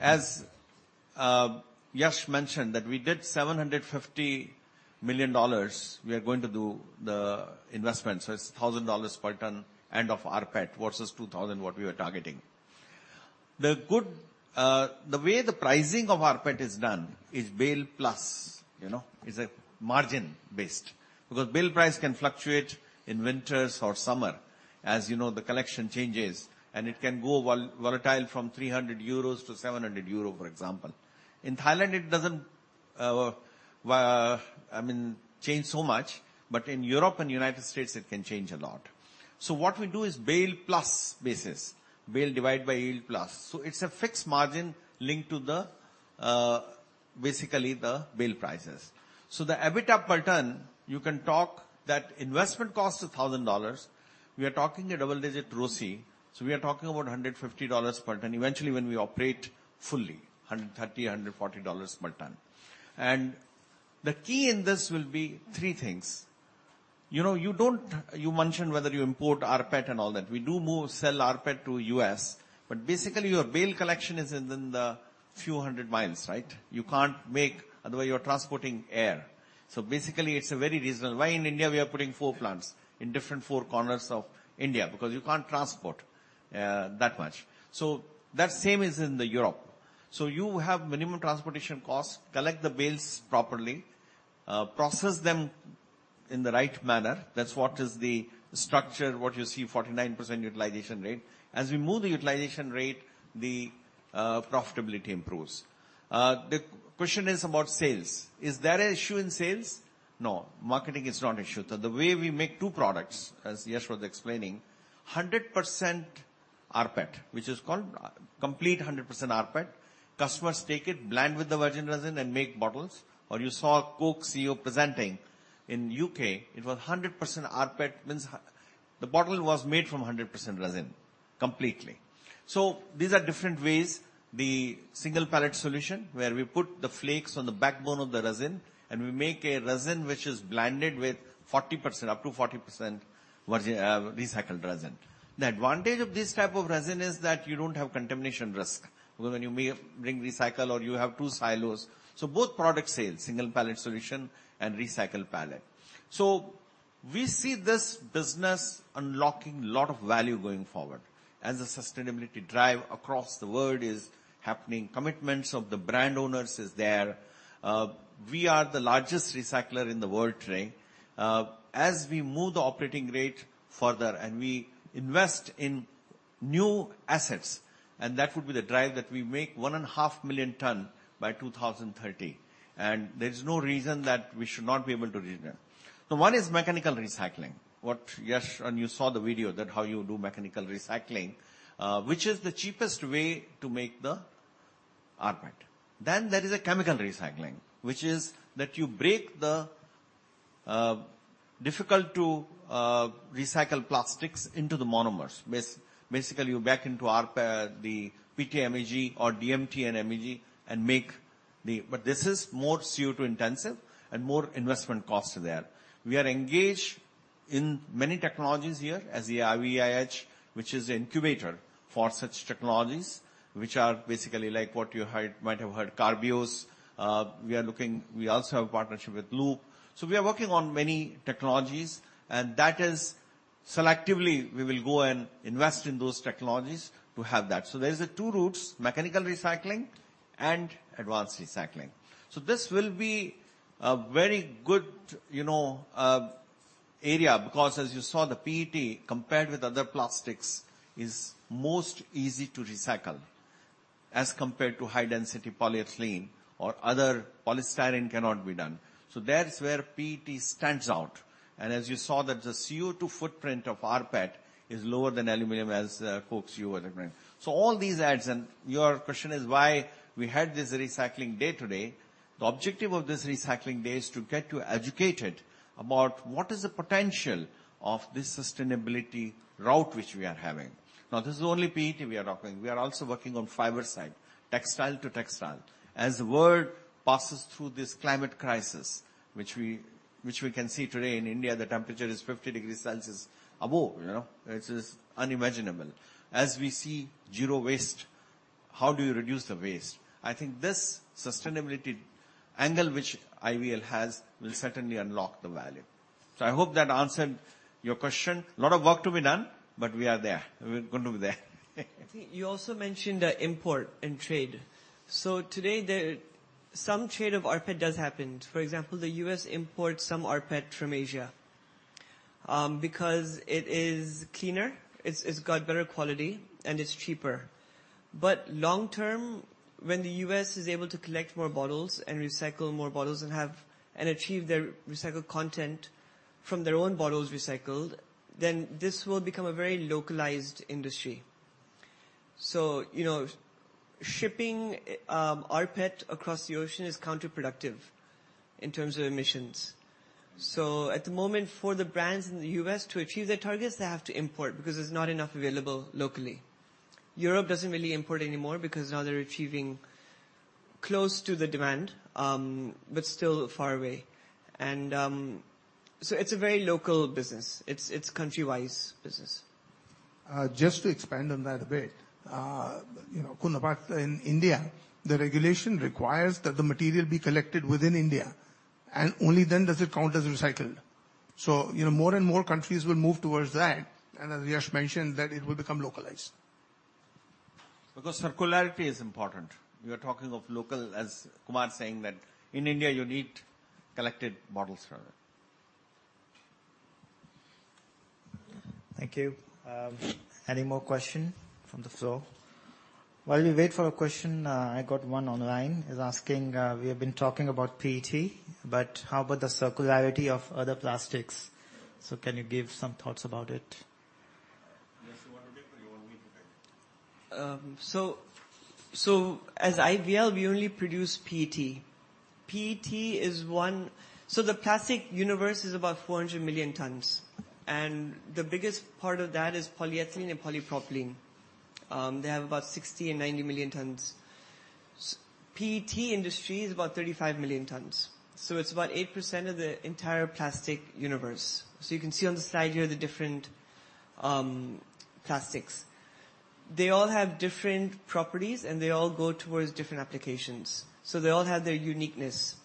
As Yash mentioned, that we did $750 million, we are going to do the investment, so it's $1,000 per ton, and of rPET versus $2,000, what we were targeting. The good, the way the pricing of rPET is done is bale plus, you know, is a margin-based, because bale price can fluctuate in winters or summer, as you know, the collection changes, and it can go volatile from 300 euros to 700 euro, for example. In Thailand, it doesn't, I mean, change so much, but in Europe and United States, it can change a lot. So what we do is bale plus basis, bale divide by yield plus. So it's a fixed margin linked to the, basically the bale prices. So the EBITDA per ton, you can talk that investment cost is $1,000. We are talking a double-digit ROCE, so we are talking about $150 per ton. Eventually, when we operate fully, $130-$140 per ton. And the key in this will be three things: You know, you don't... You mentioned whether you import rPET and all that. We do move, sell rPET to U.S., but basically, your bale collection is within the few hundred miles, right? You can't make, otherwise you're transporting air. So basically, it's a very reasonable. Why in India, we are putting four plants in different four corners of India? Because you can't transport that much. So that same is in the Europe. So you have minimum transportation costs, collect the bales properly, process them in the right manner. That's what is the structure, what you see, 49% utilization rate. As we move the utilization rate, the profitability improves. The question is about sales. Is there an issue in sales? No, marketing is not an issue. The way we make two products, as Yash was explaining, 100% rPET, which is called complete 100% rPET. Customers take it, blend with the virgin resin, and make bottles. Or you saw Coke CEO presenting in U.K., it was a 100% rPET, means the bottle was made from 100% resin, completely. So these are different ways. The Single Pellet Solution, where we put the flakes on the backbone of the resin, and we make a resin which is blended with 40%, up to 40% virgin recycled resin. The advantage of this type of resin is that you don't have contamination risk, because when you may bring recycled or you have two silos. So both product sales, Single Pellet Solution and recycled pellet. So we see this business unlocking a lot of value going forward as the sustainability drive across the world is happening, commitments of the brand owners is there. We are the largest recycler in the world today. As we move the operating rate further and we invest in new assets, and that would be the drive that we make 1.5 million tons by 2030, and there is no reason that we should not be able to reach there. So one is mechanical recycling. You saw the video that how you do mechanical recycling, which is the cheapest way to make the rPET. Then there is a chemical recycling, which is that you break the difficult to recycle plastics into the monomers. Basically, you back into the PET, MEG or DMT and MEG and make the... But this is more CO2-intensive and more investment cost there. We are engaged in many technologies here as the IVIH, which is the incubator for such technologies, which are basically like what you heard, might have heard, Carbios. We are looking. We also have a partnership with Loop. So we are working on many technologies, and that is selectively we will go and invest in those technologies to have that. So there's the two routes, mechanical recycling and advanced recycling. So this will be a very good, you know, area, because as you saw, the PET, compared with other plastics, is most easy to recycle as compared to high-density polyethylene or other polystyrene cannot be done. So that's where PET stands out. And as you saw, that the CO2 footprint of rPET is lower than aluminum, as folks you were referring. So all these adds, and your question is why we had this recycling day today. The objective of this recycling day is to get you educated about what is the potential of this sustainability route which we are having. Now, this is only PET we are talking. We are also working on fiber side, textile to textile. As the world passes through this climate crisis, which we, which we can see today in India, the temperature is 50 degrees Celsius above, you know? It's just unimaginable. As we see zero waste, how do you reduce the waste? I think this sustainability angle, which IVL has, will certainly unlock the value. So I hope that answered your question. A lot of work to be done, but we are there. We're going to be there. You also mentioned import and trade. So today, some trade of rPET does happen. For example, the U.S. imports some rPET from Asia because it is cleaner, it's got better quality, and it's cheaper. But long term, when the U.S. is able to collect more bottles and recycle more bottles and achieve their recycled content from their own bottles recycled, then this will become a very localized industry. So, you know, shipping rPET across the ocean is counterproductive in terms of emissions. So at the moment, for the brands in the U.S. to achieve their targets, they have to import because there's not enough available locally. Europe doesn't really import anymore because now they're achieving close to the demand, but still far away. So it's a very local business. It's country-wise business. Just to expand on that a bit, you know, Kunal, back in India, the regulation requires that the material be collected within India, and only then does it count as recycled. So, you know, more and more countries will move towards that, and as Yash mentioned, that it will become localized. Because circularity is important. We are talking of local, as Kumar is saying, that in India, you need collected bottles for it. Thank you. Any more question from the floor? While we wait for a question, I got one online. Is asking, "We have been talking about PET, but how about the circularity of other plastics?" So can you give some thoughts about it? Yash, you want to take or you want me to take? As IVL, we only produce PET. PET is one. The plastic universe is about 400 million tons, and the biggest part of that is polyethylene and polypropylene. They have about 60 and 90 million tons. PET industry is about 35 million tons, so it's about 8% of the entire plastic universe. You can see on the side here the different plastics. They all have different properties, and they all go towards different applications, so they all have their uniqueness.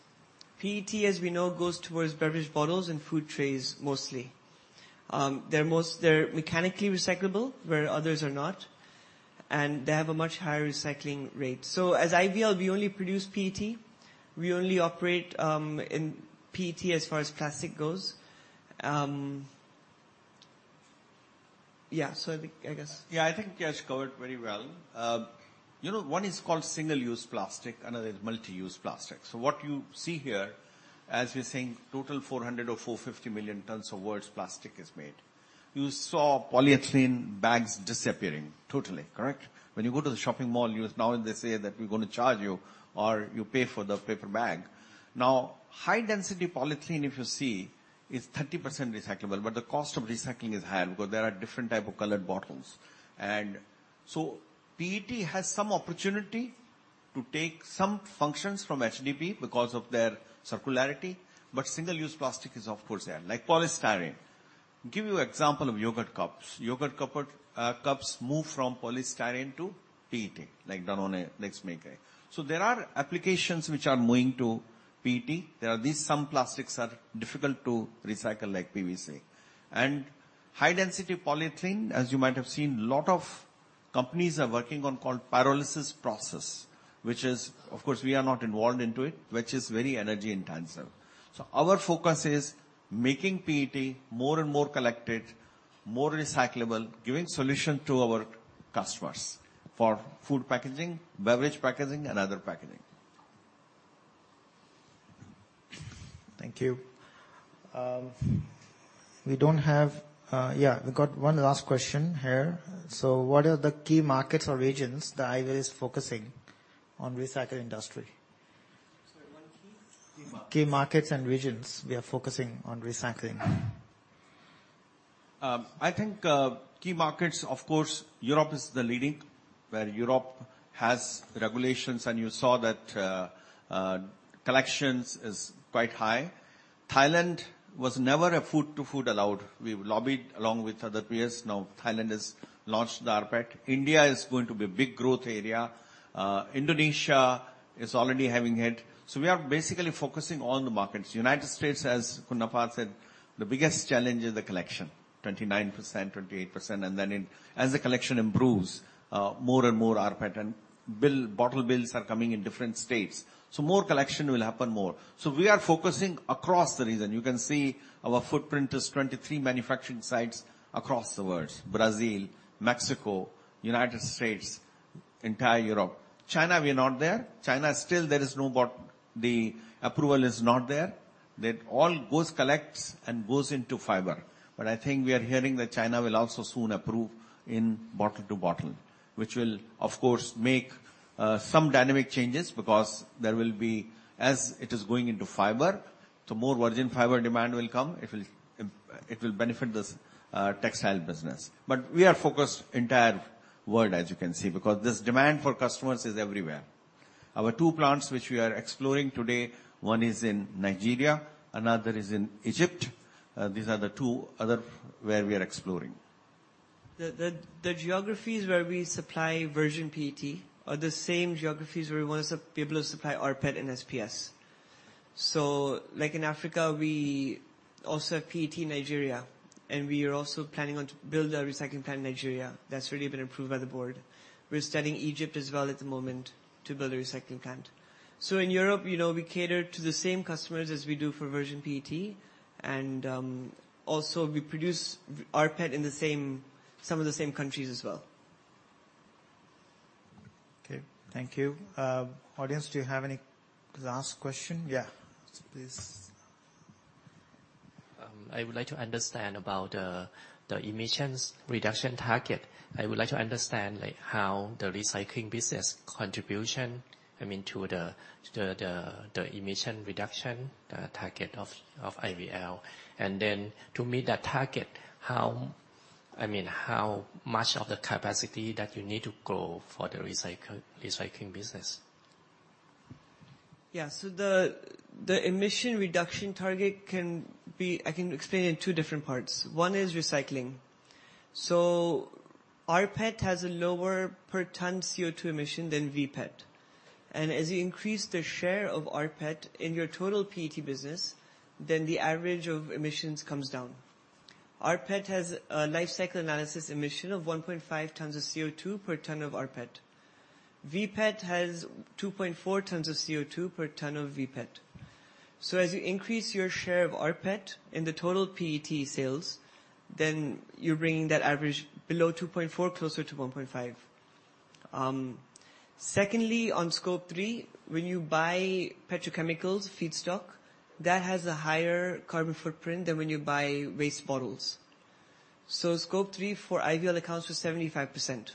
PET, as we know, goes towards beverage bottles and food trays, mostly. They're mechanically recyclable, where others are not, and they have a much higher recycling rate. As IVL, we only produce PET. We only operate in PET as far as plastic goes. Yeah, so I think, I guess- Yeah, I think Yash covered very well. You know, one is called single-use plastic, another is multi-use plastic. So what you see here, as we're saying, total 400 or 450 million tons of world's plastic is made. You saw polyethylene bags disappearing totally, correct? When you go to the shopping mall, you now they say that we're gonna charge you or you pay for the paper bag. Now, high density polyethylene, if you see, is 30% recyclable, but the cost of recycling is high because there are different type of colored bottles. And so PET has some opportunity to take some functions from HDPE because of their circularity, but single-use plastic is, of course, there, like polystyrene. Give you example of yogurt cups. Yogurt cups, cups move from polystyrene to PET, like Danone and Nestlé make. So there are applications which are moving to PET. There are some plastics that are difficult to recycle, like PVC. High-density polyethylene, as you might have seen, a lot of companies are working on a process called pyrolysis, which is—of course, we are not involved into it—which is very energy-intensive. So our focus is making PET more and more collected, more recyclable, giving solution to our customers for food packaging, beverage packaging, and other packaging. Thank you. Yeah, we've got one last question here. So what are the key markets or regions that IVL is focusing on in the recycling industry? Sorry, one key? Key markets and regions we are focusing on recycling. I think, key markets, of course, Europe is the leading, where Europe has regulations, and you saw that, collections is quite high. Thailand was never a bottle-to-bottle allowed. We've lobbied along with other peers. Now, Thailand has launched the rPET. India is going to be a big growth area. Indonesia is already having it. So we are basically focusing on the markets. United States, as Kunaphat said, the biggest challenge is the collection, 29%, 28%, and then, as the collection improves, more and more rPET and bottle bills are coming in different states, so more collection will happen more. So we are focusing across the region. You can see our footprint is 23 manufacturing sites across the world, Brazil, Mexico, United States, entire Europe. China, we are not there. China still there is no bottle-to-bottle approval. That all goes, collects, and goes into fiber. But I think we are hearing that China will also soon approve in bottle-to-bottle, which will, of course, make some dynamic changes because there will be, as it is going into fiber, so more virgin fiber demand will come. It will benefit this textile business. But we are focused entire world, as you can see, because this demand for customers is everywhere. Our two plants, which we are exploring today, one is in Nigeria, another is in Egypt. These are the two other where we are exploring. The geographies where we supply virgin PET are the same geographies where we want to be able to supply rPET and SPS. So like in Africa, we also have PET Nigeria, and we are also planning on to build a recycling plant in Nigeria. That's already been approved by the board. We're studying Egypt as well at the moment to build a recycling plant. So in Europe, you know, we cater to the same customers as we do for virgin PET, and also, we produce rPET in the same, some of the same countries as well. Okay. Thank you. Audience, do you have any last question? Yeah. Please. I would like to understand about the emissions reduction target. I would like to understand, like, how the recycling business contribution, I mean, to the emission reduction target of IVL. And then to meet that target, I mean, how much of the capacity that you need to grow for the recycling business? Yeah. So the emission reduction target can be... I can explain in two different parts. One is recycling. So rPET has a lower per ton CO2 emission than VPET. And as you increase the share of rPET in your total PET business, then the average of emissions comes down. rPET has a lifecycle analysis emission of 1.5 tons of CO2 per ton of rPET. VPET has 2.4 tons of CO2 per ton of VPET. So as you increase your share of rPET in the total PET sales, then you're bringing that average below 2.4, closer to 1.5. Secondly, on Scope 3, when you buy petrochemicals feedstock, that has a higher carbon footprint than when you buy waste bottles. So Scope 3 for IVL accounts for 75%.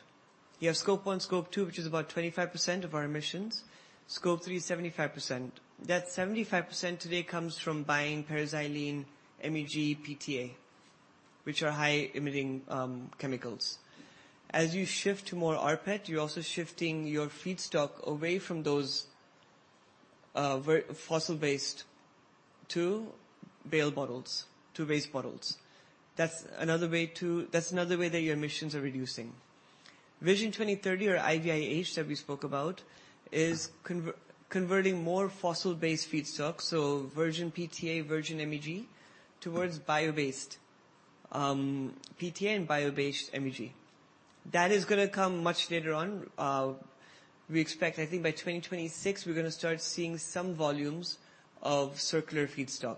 You have Scope 1, Scope 2, which is about 25% of our emissions. Scope 3 is 75%. That 75% today comes from buying para-xylene, MEG, PTA, which are high-emitting chemicals. As you shift to more rPET, you're also shifting your feedstock away from those fossil-based to bale bottles, to waste bottles. That's another way that your emissions are reducing. Vision 2030 or IVIH, that we spoke about, is converting more fossil-based feedstock, so virgin PTA, virgin MEG, towards bio-based PTA and bio-based MEG. That is gonna come much later on. We expect, I think by 2026, we're gonna start seeing some volumes of circular feedstock.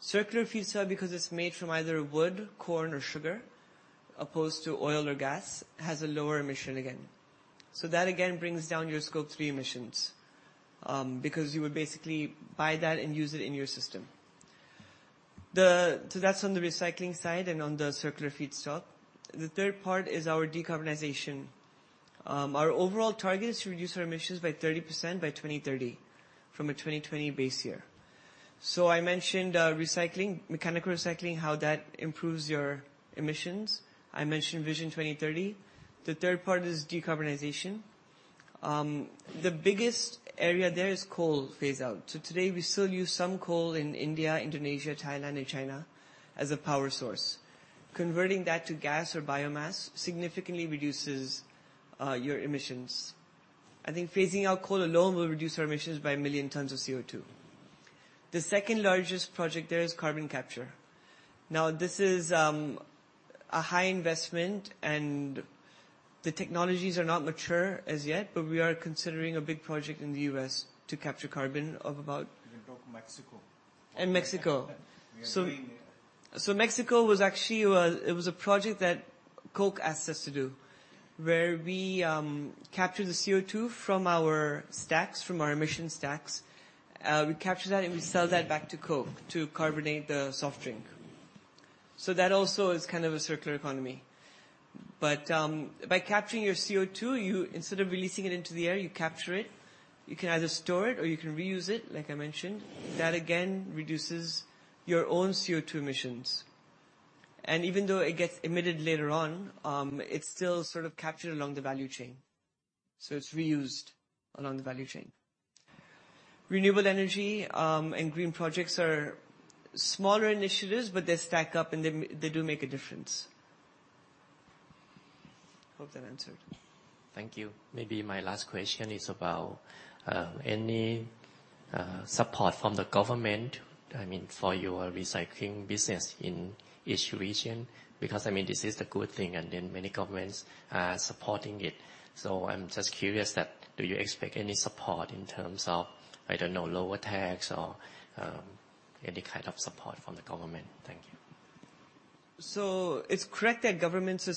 Circular feedstock, because it's made from either wood, corn, or sugar, opposed to oil or gas, has a lower emission again. So that again brings down your Scope 3 emissions. Because you would basically buy that and use it in your system. So that's on the recycling side and on the circular feedstock. The third part is our decarbonization. Our overall target is to reduce our emissions by 30% by 2030, from a 2020 base year. So I mentioned, recycling, mechanical recycling, how that improves your emissions. I mentioned Vision 2030. The third part is decarbonization. The biggest area there is coal phase out. So today, we still use some coal in India, Indonesia, Thailand and China as a power source. Converting that to gas or biomass significantly reduces, your emissions. I think phasing out coal alone will reduce our emissions by 1 million tons of CO2. The second largest project there is carbon capture. Now, this is a high investment, and the technologies are not mature as yet, but we are considering a big project in the U.S. to capture carbon of about- Can you talk Mexico? And Mexico. We are doing it. Mexico was actually a project that Coke asked us to do, where we capture the CO2 from our stacks, from our emission stacks. We capture that, and we sell that back to Coke to carbonate the soft drink. So that also is kind of a circular economy. But by capturing your CO2, you, instead of releasing it into the air, you capture it. You can either store it or you can reuse it, like I mentioned. That again reduces your own CO2 emissions, and even though it gets emitted later on, it's still sort of captured along the value chain. So it's reused along the value chain. Renewable energy and green projects are smaller initiatives, but they stack up, and they do make a difference. Hope that answered. Thank you. Maybe my last question is about any support from the government, I mean, for your recycling business in each region. Because, I mean, this is a good thing, and then many governments are supporting it. So I'm just curious that, do you expect any support in terms of, I don't know, lower tax or any kind of support from the government? Thank you. So it's correct that governments are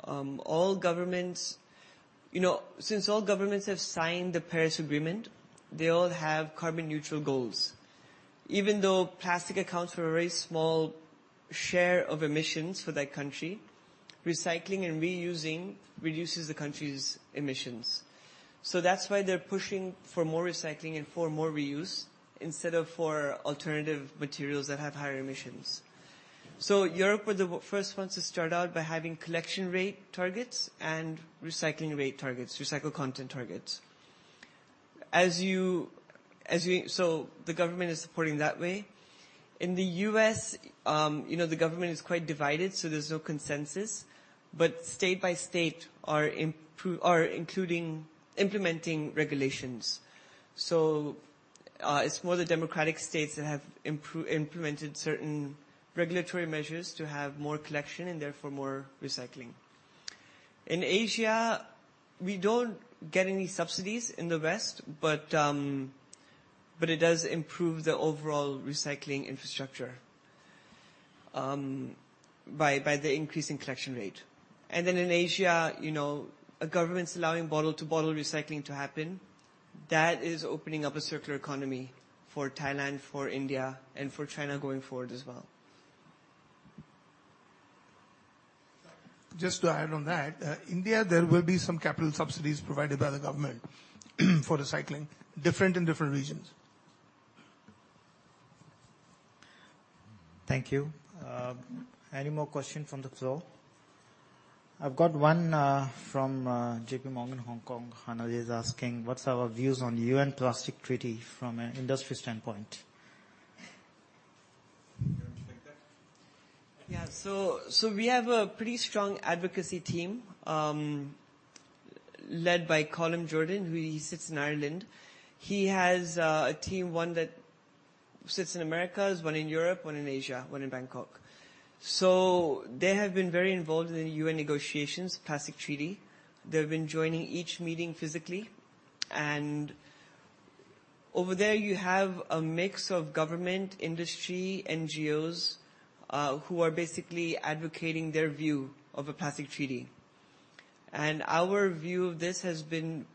supporting recycling. All governments... You know, since all governments have signed the Paris Agreement, they all have carbon neutral goals. Even though plastic accounts for a very small share of emissions for that country, recycling and reusing reduces the country's emissions. So that's why they're pushing for more recycling and for more reuse, instead of for alternative materials that have higher emissions. So Europe were the first ones to start out by having collection rate targets and recycling rate targets, recycled content targets. So the government is supporting that way. In the U.S., you know, the government is quite divided, so there's no consensus, but state by state are implementing regulations. So, it's more the Democratic states that have implemented certain regulatory measures to have more collection, and therefore more recycling. In Asia, we don't get any subsidies in the West, but it does improve the overall recycling infrastructure by the increase in collection rate. And then in Asia, you know, a government's allowing bottle-to-bottle recycling to happen. That is opening up a circular economy for Thailand, for India, and for China going forward as well. Just to add on that, India, there will be some capital subsidies provided by the government, for recycling, different in different regions. Thank you. Any more questions from the floor? I've got one from JPMorgan, Hong Kong. Hannah is asking: What's our views on the UN Plastic Treaty from an industry standpoint? You want to take that? Yeah. So we have a pretty strong advocacy team, led by Colm Jordan, who he sits in Ireland. He has a team, one that sits in Americas, one in Europe, one in Asia, one in Bangkok. So they have been very involved in the UN negotiations, Plastic Treaty. They've been joining each meeting physically, and over there you have a mix of government, industry, NGOs, who are basically advocating their view of a plastic treaty. And our view of this has been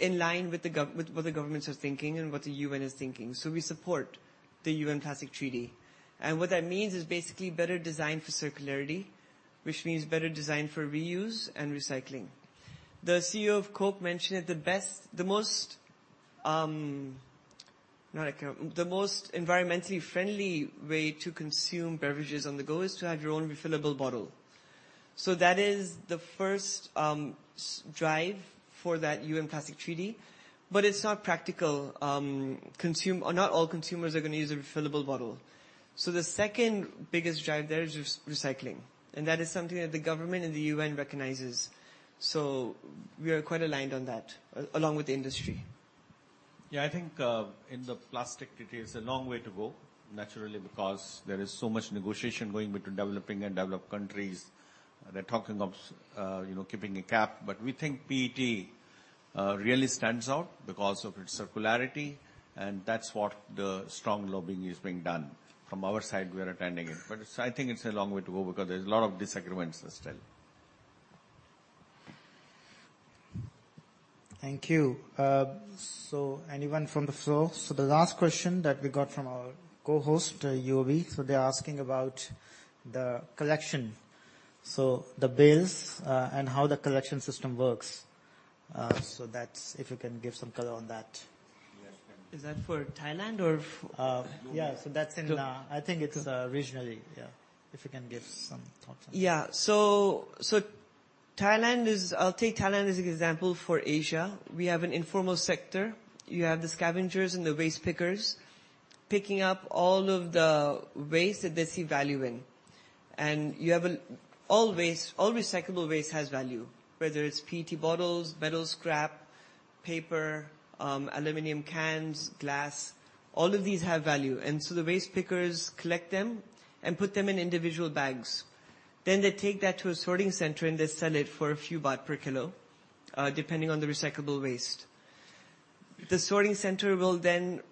in line with what the governments are thinking and what the UN is thinking. So we support the UN Plastic Treaty, and what that means is basically better design for circularity, which means better design for reuse and recycling. The CEO of Coke mentioned that the best, the most, not... The most environmentally friendly way to consume beverages on the go is to have your own refillable bottle. So that is the first drive for that UN Plastic Treaty, but it's not practical. Or not all consumers are going to use a refillable bottle. So the second biggest drive there is recycling, and that is something that the government and the UN recognizes. So we are quite aligned on that, along with the industry. Yeah, I think in the plastic treaty, it's a long way to go, naturally, because there is so much negotiation going between developing and developed countries. They're talking of, you know, keeping a cap. But we think PET really stands out because of its circularity, and that's what the strong lobbying is being done. From our side, we are attending it, but it's, I think it's a long way to go because there's a lot of disagreements there still. ... Thank you. So anyone from the floor? So the last question that we got from our co-host, UOB, so they're asking about the collection. So the bales, and how the collection system works. So that's if you can give some color on that. Yes, can- Is that for Thailand or f- Yeah, so that's in... I think it's regionally. Yeah, if you can give some thoughts on that. Yeah. So Thailand is. I'll take Thailand as an example for Asia. We have an informal sector. You have the scavengers and the waste pickers picking up all of the waste that they see value in. All waste, all recyclable waste has value, whether it's PET bottles, metal scrap, paper, aluminum cans, glass, all of these have value. And so the waste pickers collect them and put them in individual bags. Then they take that to a sorting center, and they sell it for a few baht per kilo, depending on the recyclable waste. The sorting center will then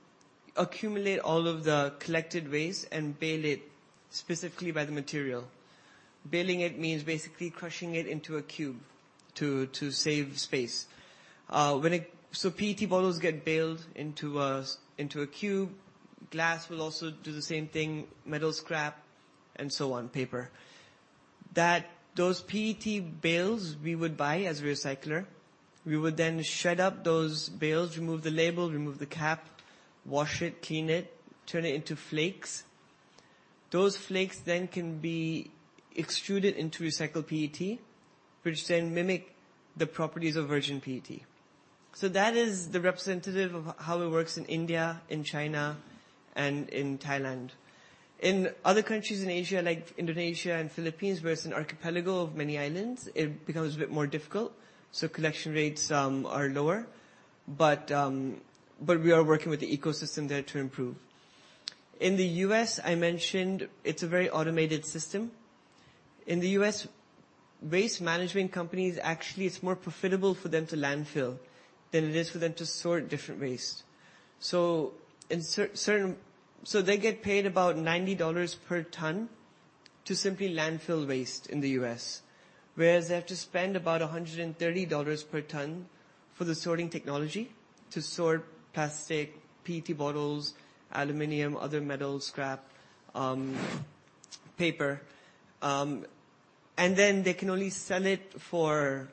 accumulate all of the collected waste and bale it specifically by the material. Baling it means basically crushing it into a cube to save space. So PET bottles get baled into a cube. Glass will also do the same thing, metal scrap and so on, paper. That, those PET bales we would buy as a recycler. We would then shred up those bales, remove the label, remove the cap, wash it, clean it, turn it into flakes. Those flakes then can be extruded into recycled PET, which then mimic the properties of virgin PET. So that is the representative of how it works in India, in China, and in Thailand. In other countries in Asia, like Indonesia and Philippines, where it's an archipelago of many islands, it becomes a bit more difficult, so collection rates are lower. But we are working with the ecosystem there to improve. In the U.S., I mentioned it's a very automated system. In the U.S., waste management companies, actually, it's more profitable for them to landfill than it is for them to sort different waste. So in certain. So they get paid about $90 per ton to simply landfill waste in the U.S., whereas they have to spend about $130 per ton for the sorting technology to sort plastic, PET bottles, aluminum, other metal scrap, paper, and then they can only sell it for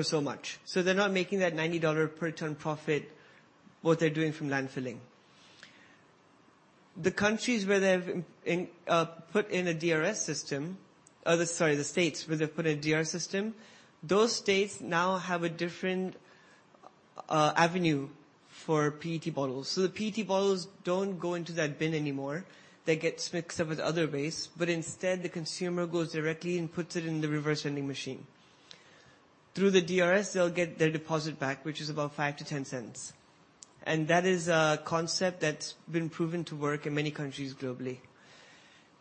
so much. So they're not making that $90 per ton profit, what they're doing from landfilling. The countries where they've put in a DRS system. Sorry, the states where they've put a DRS system, those states now have a different avenue for PET bottles. So the PET bottles don't go into that bin anymore. They get mixed up with other waste, but instead, the consumer goes directly and puts it in the reverse vending machine. Through the DRS, they'll get their deposit back, which is about $0.05-$0.10, and that is a concept that's been proven to work in many countries globally.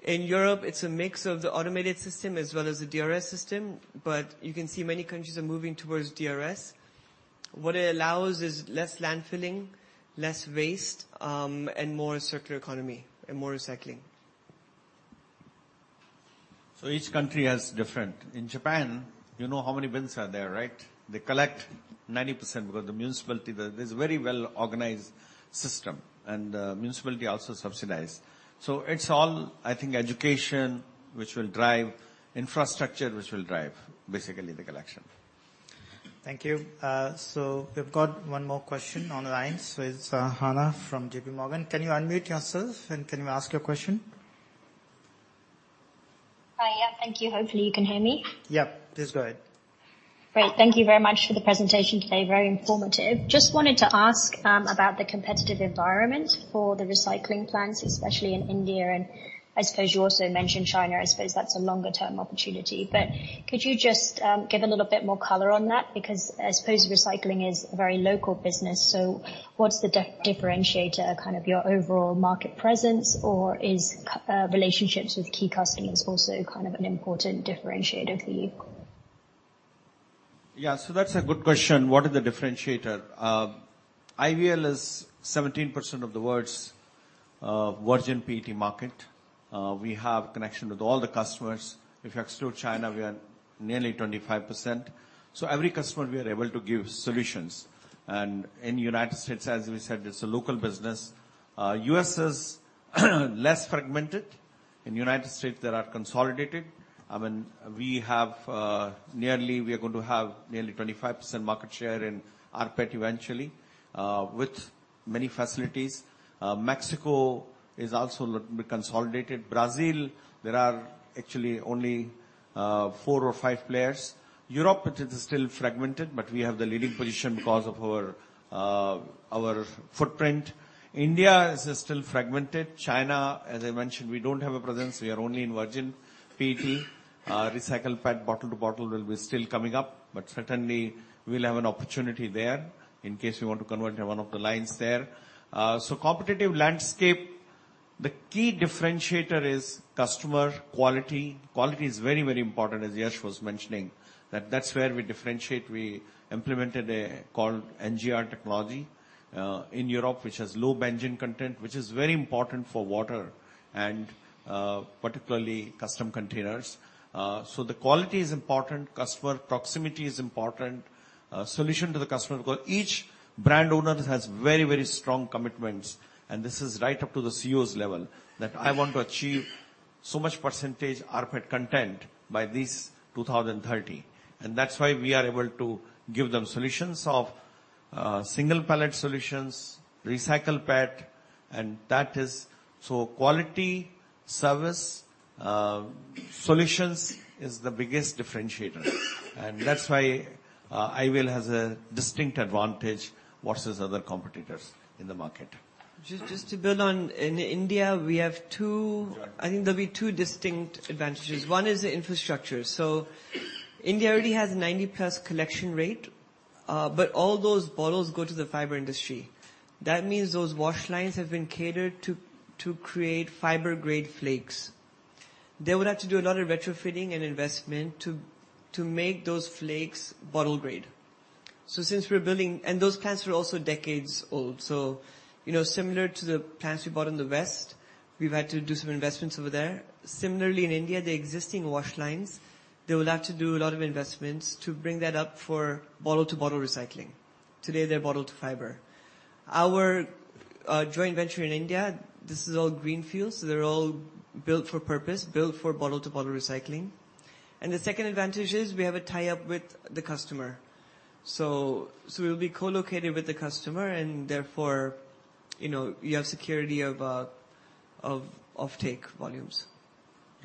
In Europe, it's a mix of the automated system as well as the DRS system, but you can see many countries are moving towards DRS. What it allows is less landfilling, less waste, and more circular economy and more recycling. So each country has different. In Japan, you know how many bins are there, right? They collect 90% because the municipality, there's a very well-organized system, and the municipality also subsidize. So it's all, I think, education, which will drive infrastructure, which will drive basically the collection. Thank you. So we've got one more question online. So it's Hannah from JPMorgan. Can you unmute yourself, and can you ask your question? Hi. Yeah. Thank you. Hopefully, you can hear me. Yeah, please go ahead. Great, thank you very much for the presentation today. Very informative. Just wanted to ask about the competitive environment for the recycling plants, especially in India, and I suppose you also mentioned China. I suppose that's a longer-term opportunity, but could you just give a little bit more color on that? Because I suppose recycling is a very local business, so what's the differentiator, kind of your overall market presence, or is customer relationships with key customers also kind of an important differentiator for you? Yeah, so that's a good question. What is the differentiator? IVL is 17% of the world's virgin PET market. We have connection with all the customers. If you exclude China, we are nearly 25%, so every customer, we are able to give solutions. And in United States, as we said, it's a local business. U.S. is less fragmented. In United States, they are consolidated. I mean, we have nearly... We are going to have nearly 25% market share in rPET eventually, with many facilities. Mexico is also looking to be consolidated. Brazil, there are actually only four or five players. Europe, it is still fragmented, but we have the leading position because of our footprint. India is still fragmented. China, as I mentioned, we don't have a presence. We are only in virgin PET. Recycled PET bottle-to-bottle will be still coming up, but certainly, we'll have an opportunity there in case we want to convert one of the lines there. So competitive landscape, the key differentiator is customer quality. Quality is very, very important, as Yash was mentioning. That's where we differentiate. We implemented what's called NGR technology in Europe, which has low benzene content, which is very important for water and particularly custom containers. So the quality is important, customer proximity is important, solution to the customer, because each brand owner has very, very strong commitments, and this is right up to the CEO's level, that I want to achieve so much percentage rPET content by 2030. And that's why we are able to give them solutions of single pellet solutions, recycled PET, and that is... Quality, service, solutions is the biggest differentiator. That's why, IVL has a distinct advantage versus other competitors in the market. Just to build on, in India, we have two- Right. I think there'll be two distinct advantages. One is the infrastructure. So India already has 90+ collection rate, but all those bottles go to the fiber industry. That means those wash lines have been catered to, to create fiber-grade flakes. They would have to do a lot of retrofitting and investment to, to make those flakes bottle-grade. So since we're building, and those plants are also decades old, so, you know, similar to the plants we bought in the West, we've had to do some investments over there. Similarly, in India, the existing wash lines, they will have to do a lot of investments to bring that up for bottle-to-bottle recycling. Today, they're bottle to fiber. Our joint venture in India, this is all greenfields, so they're all built for purpose, built for bottle-to-bottle recycling. The second advantage is we have a tie-up with the customer. So, we'll be co-located with the customer, and therefore, you know, you have security of offtake volumes.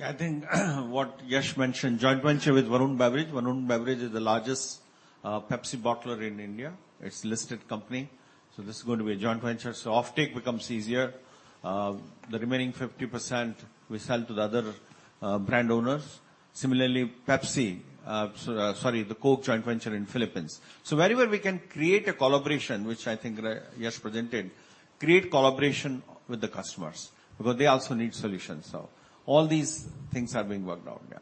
I think what Yash mentioned, joint venture with Varun Beverages. Varun Beverages is the largest Pepsi bottler in India. It's listed company, so this is going to be a joint venture, so offtake becomes easier. The remaining 50% we sell to the other brand owners. Similarly, Pepsi, so, sorry, the Coke joint venture in Philippines. So wherever we can create a collaboration, which I think Yash presented, create collaboration with the customers, because they also need solutions. So all these things are being worked out. Yeah.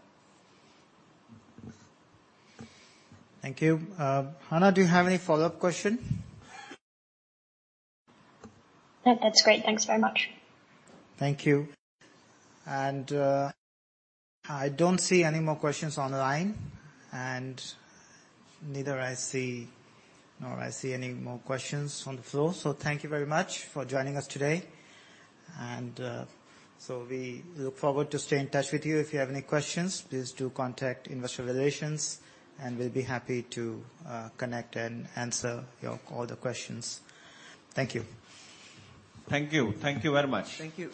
Thank you. Hannah, do you have any follow-up question? No, that's great. Thanks very much. Thank you. I don't see any more questions online, and neither I see nor I see any more questions on the floor. So thank you very much for joining us today. We look forward to stay in touch with you. If you have any questions, please do contact Investor Relations, and we'll be happy to connect and answer your all the questions. Thank you. Thank you. Thank you very much. Thank you.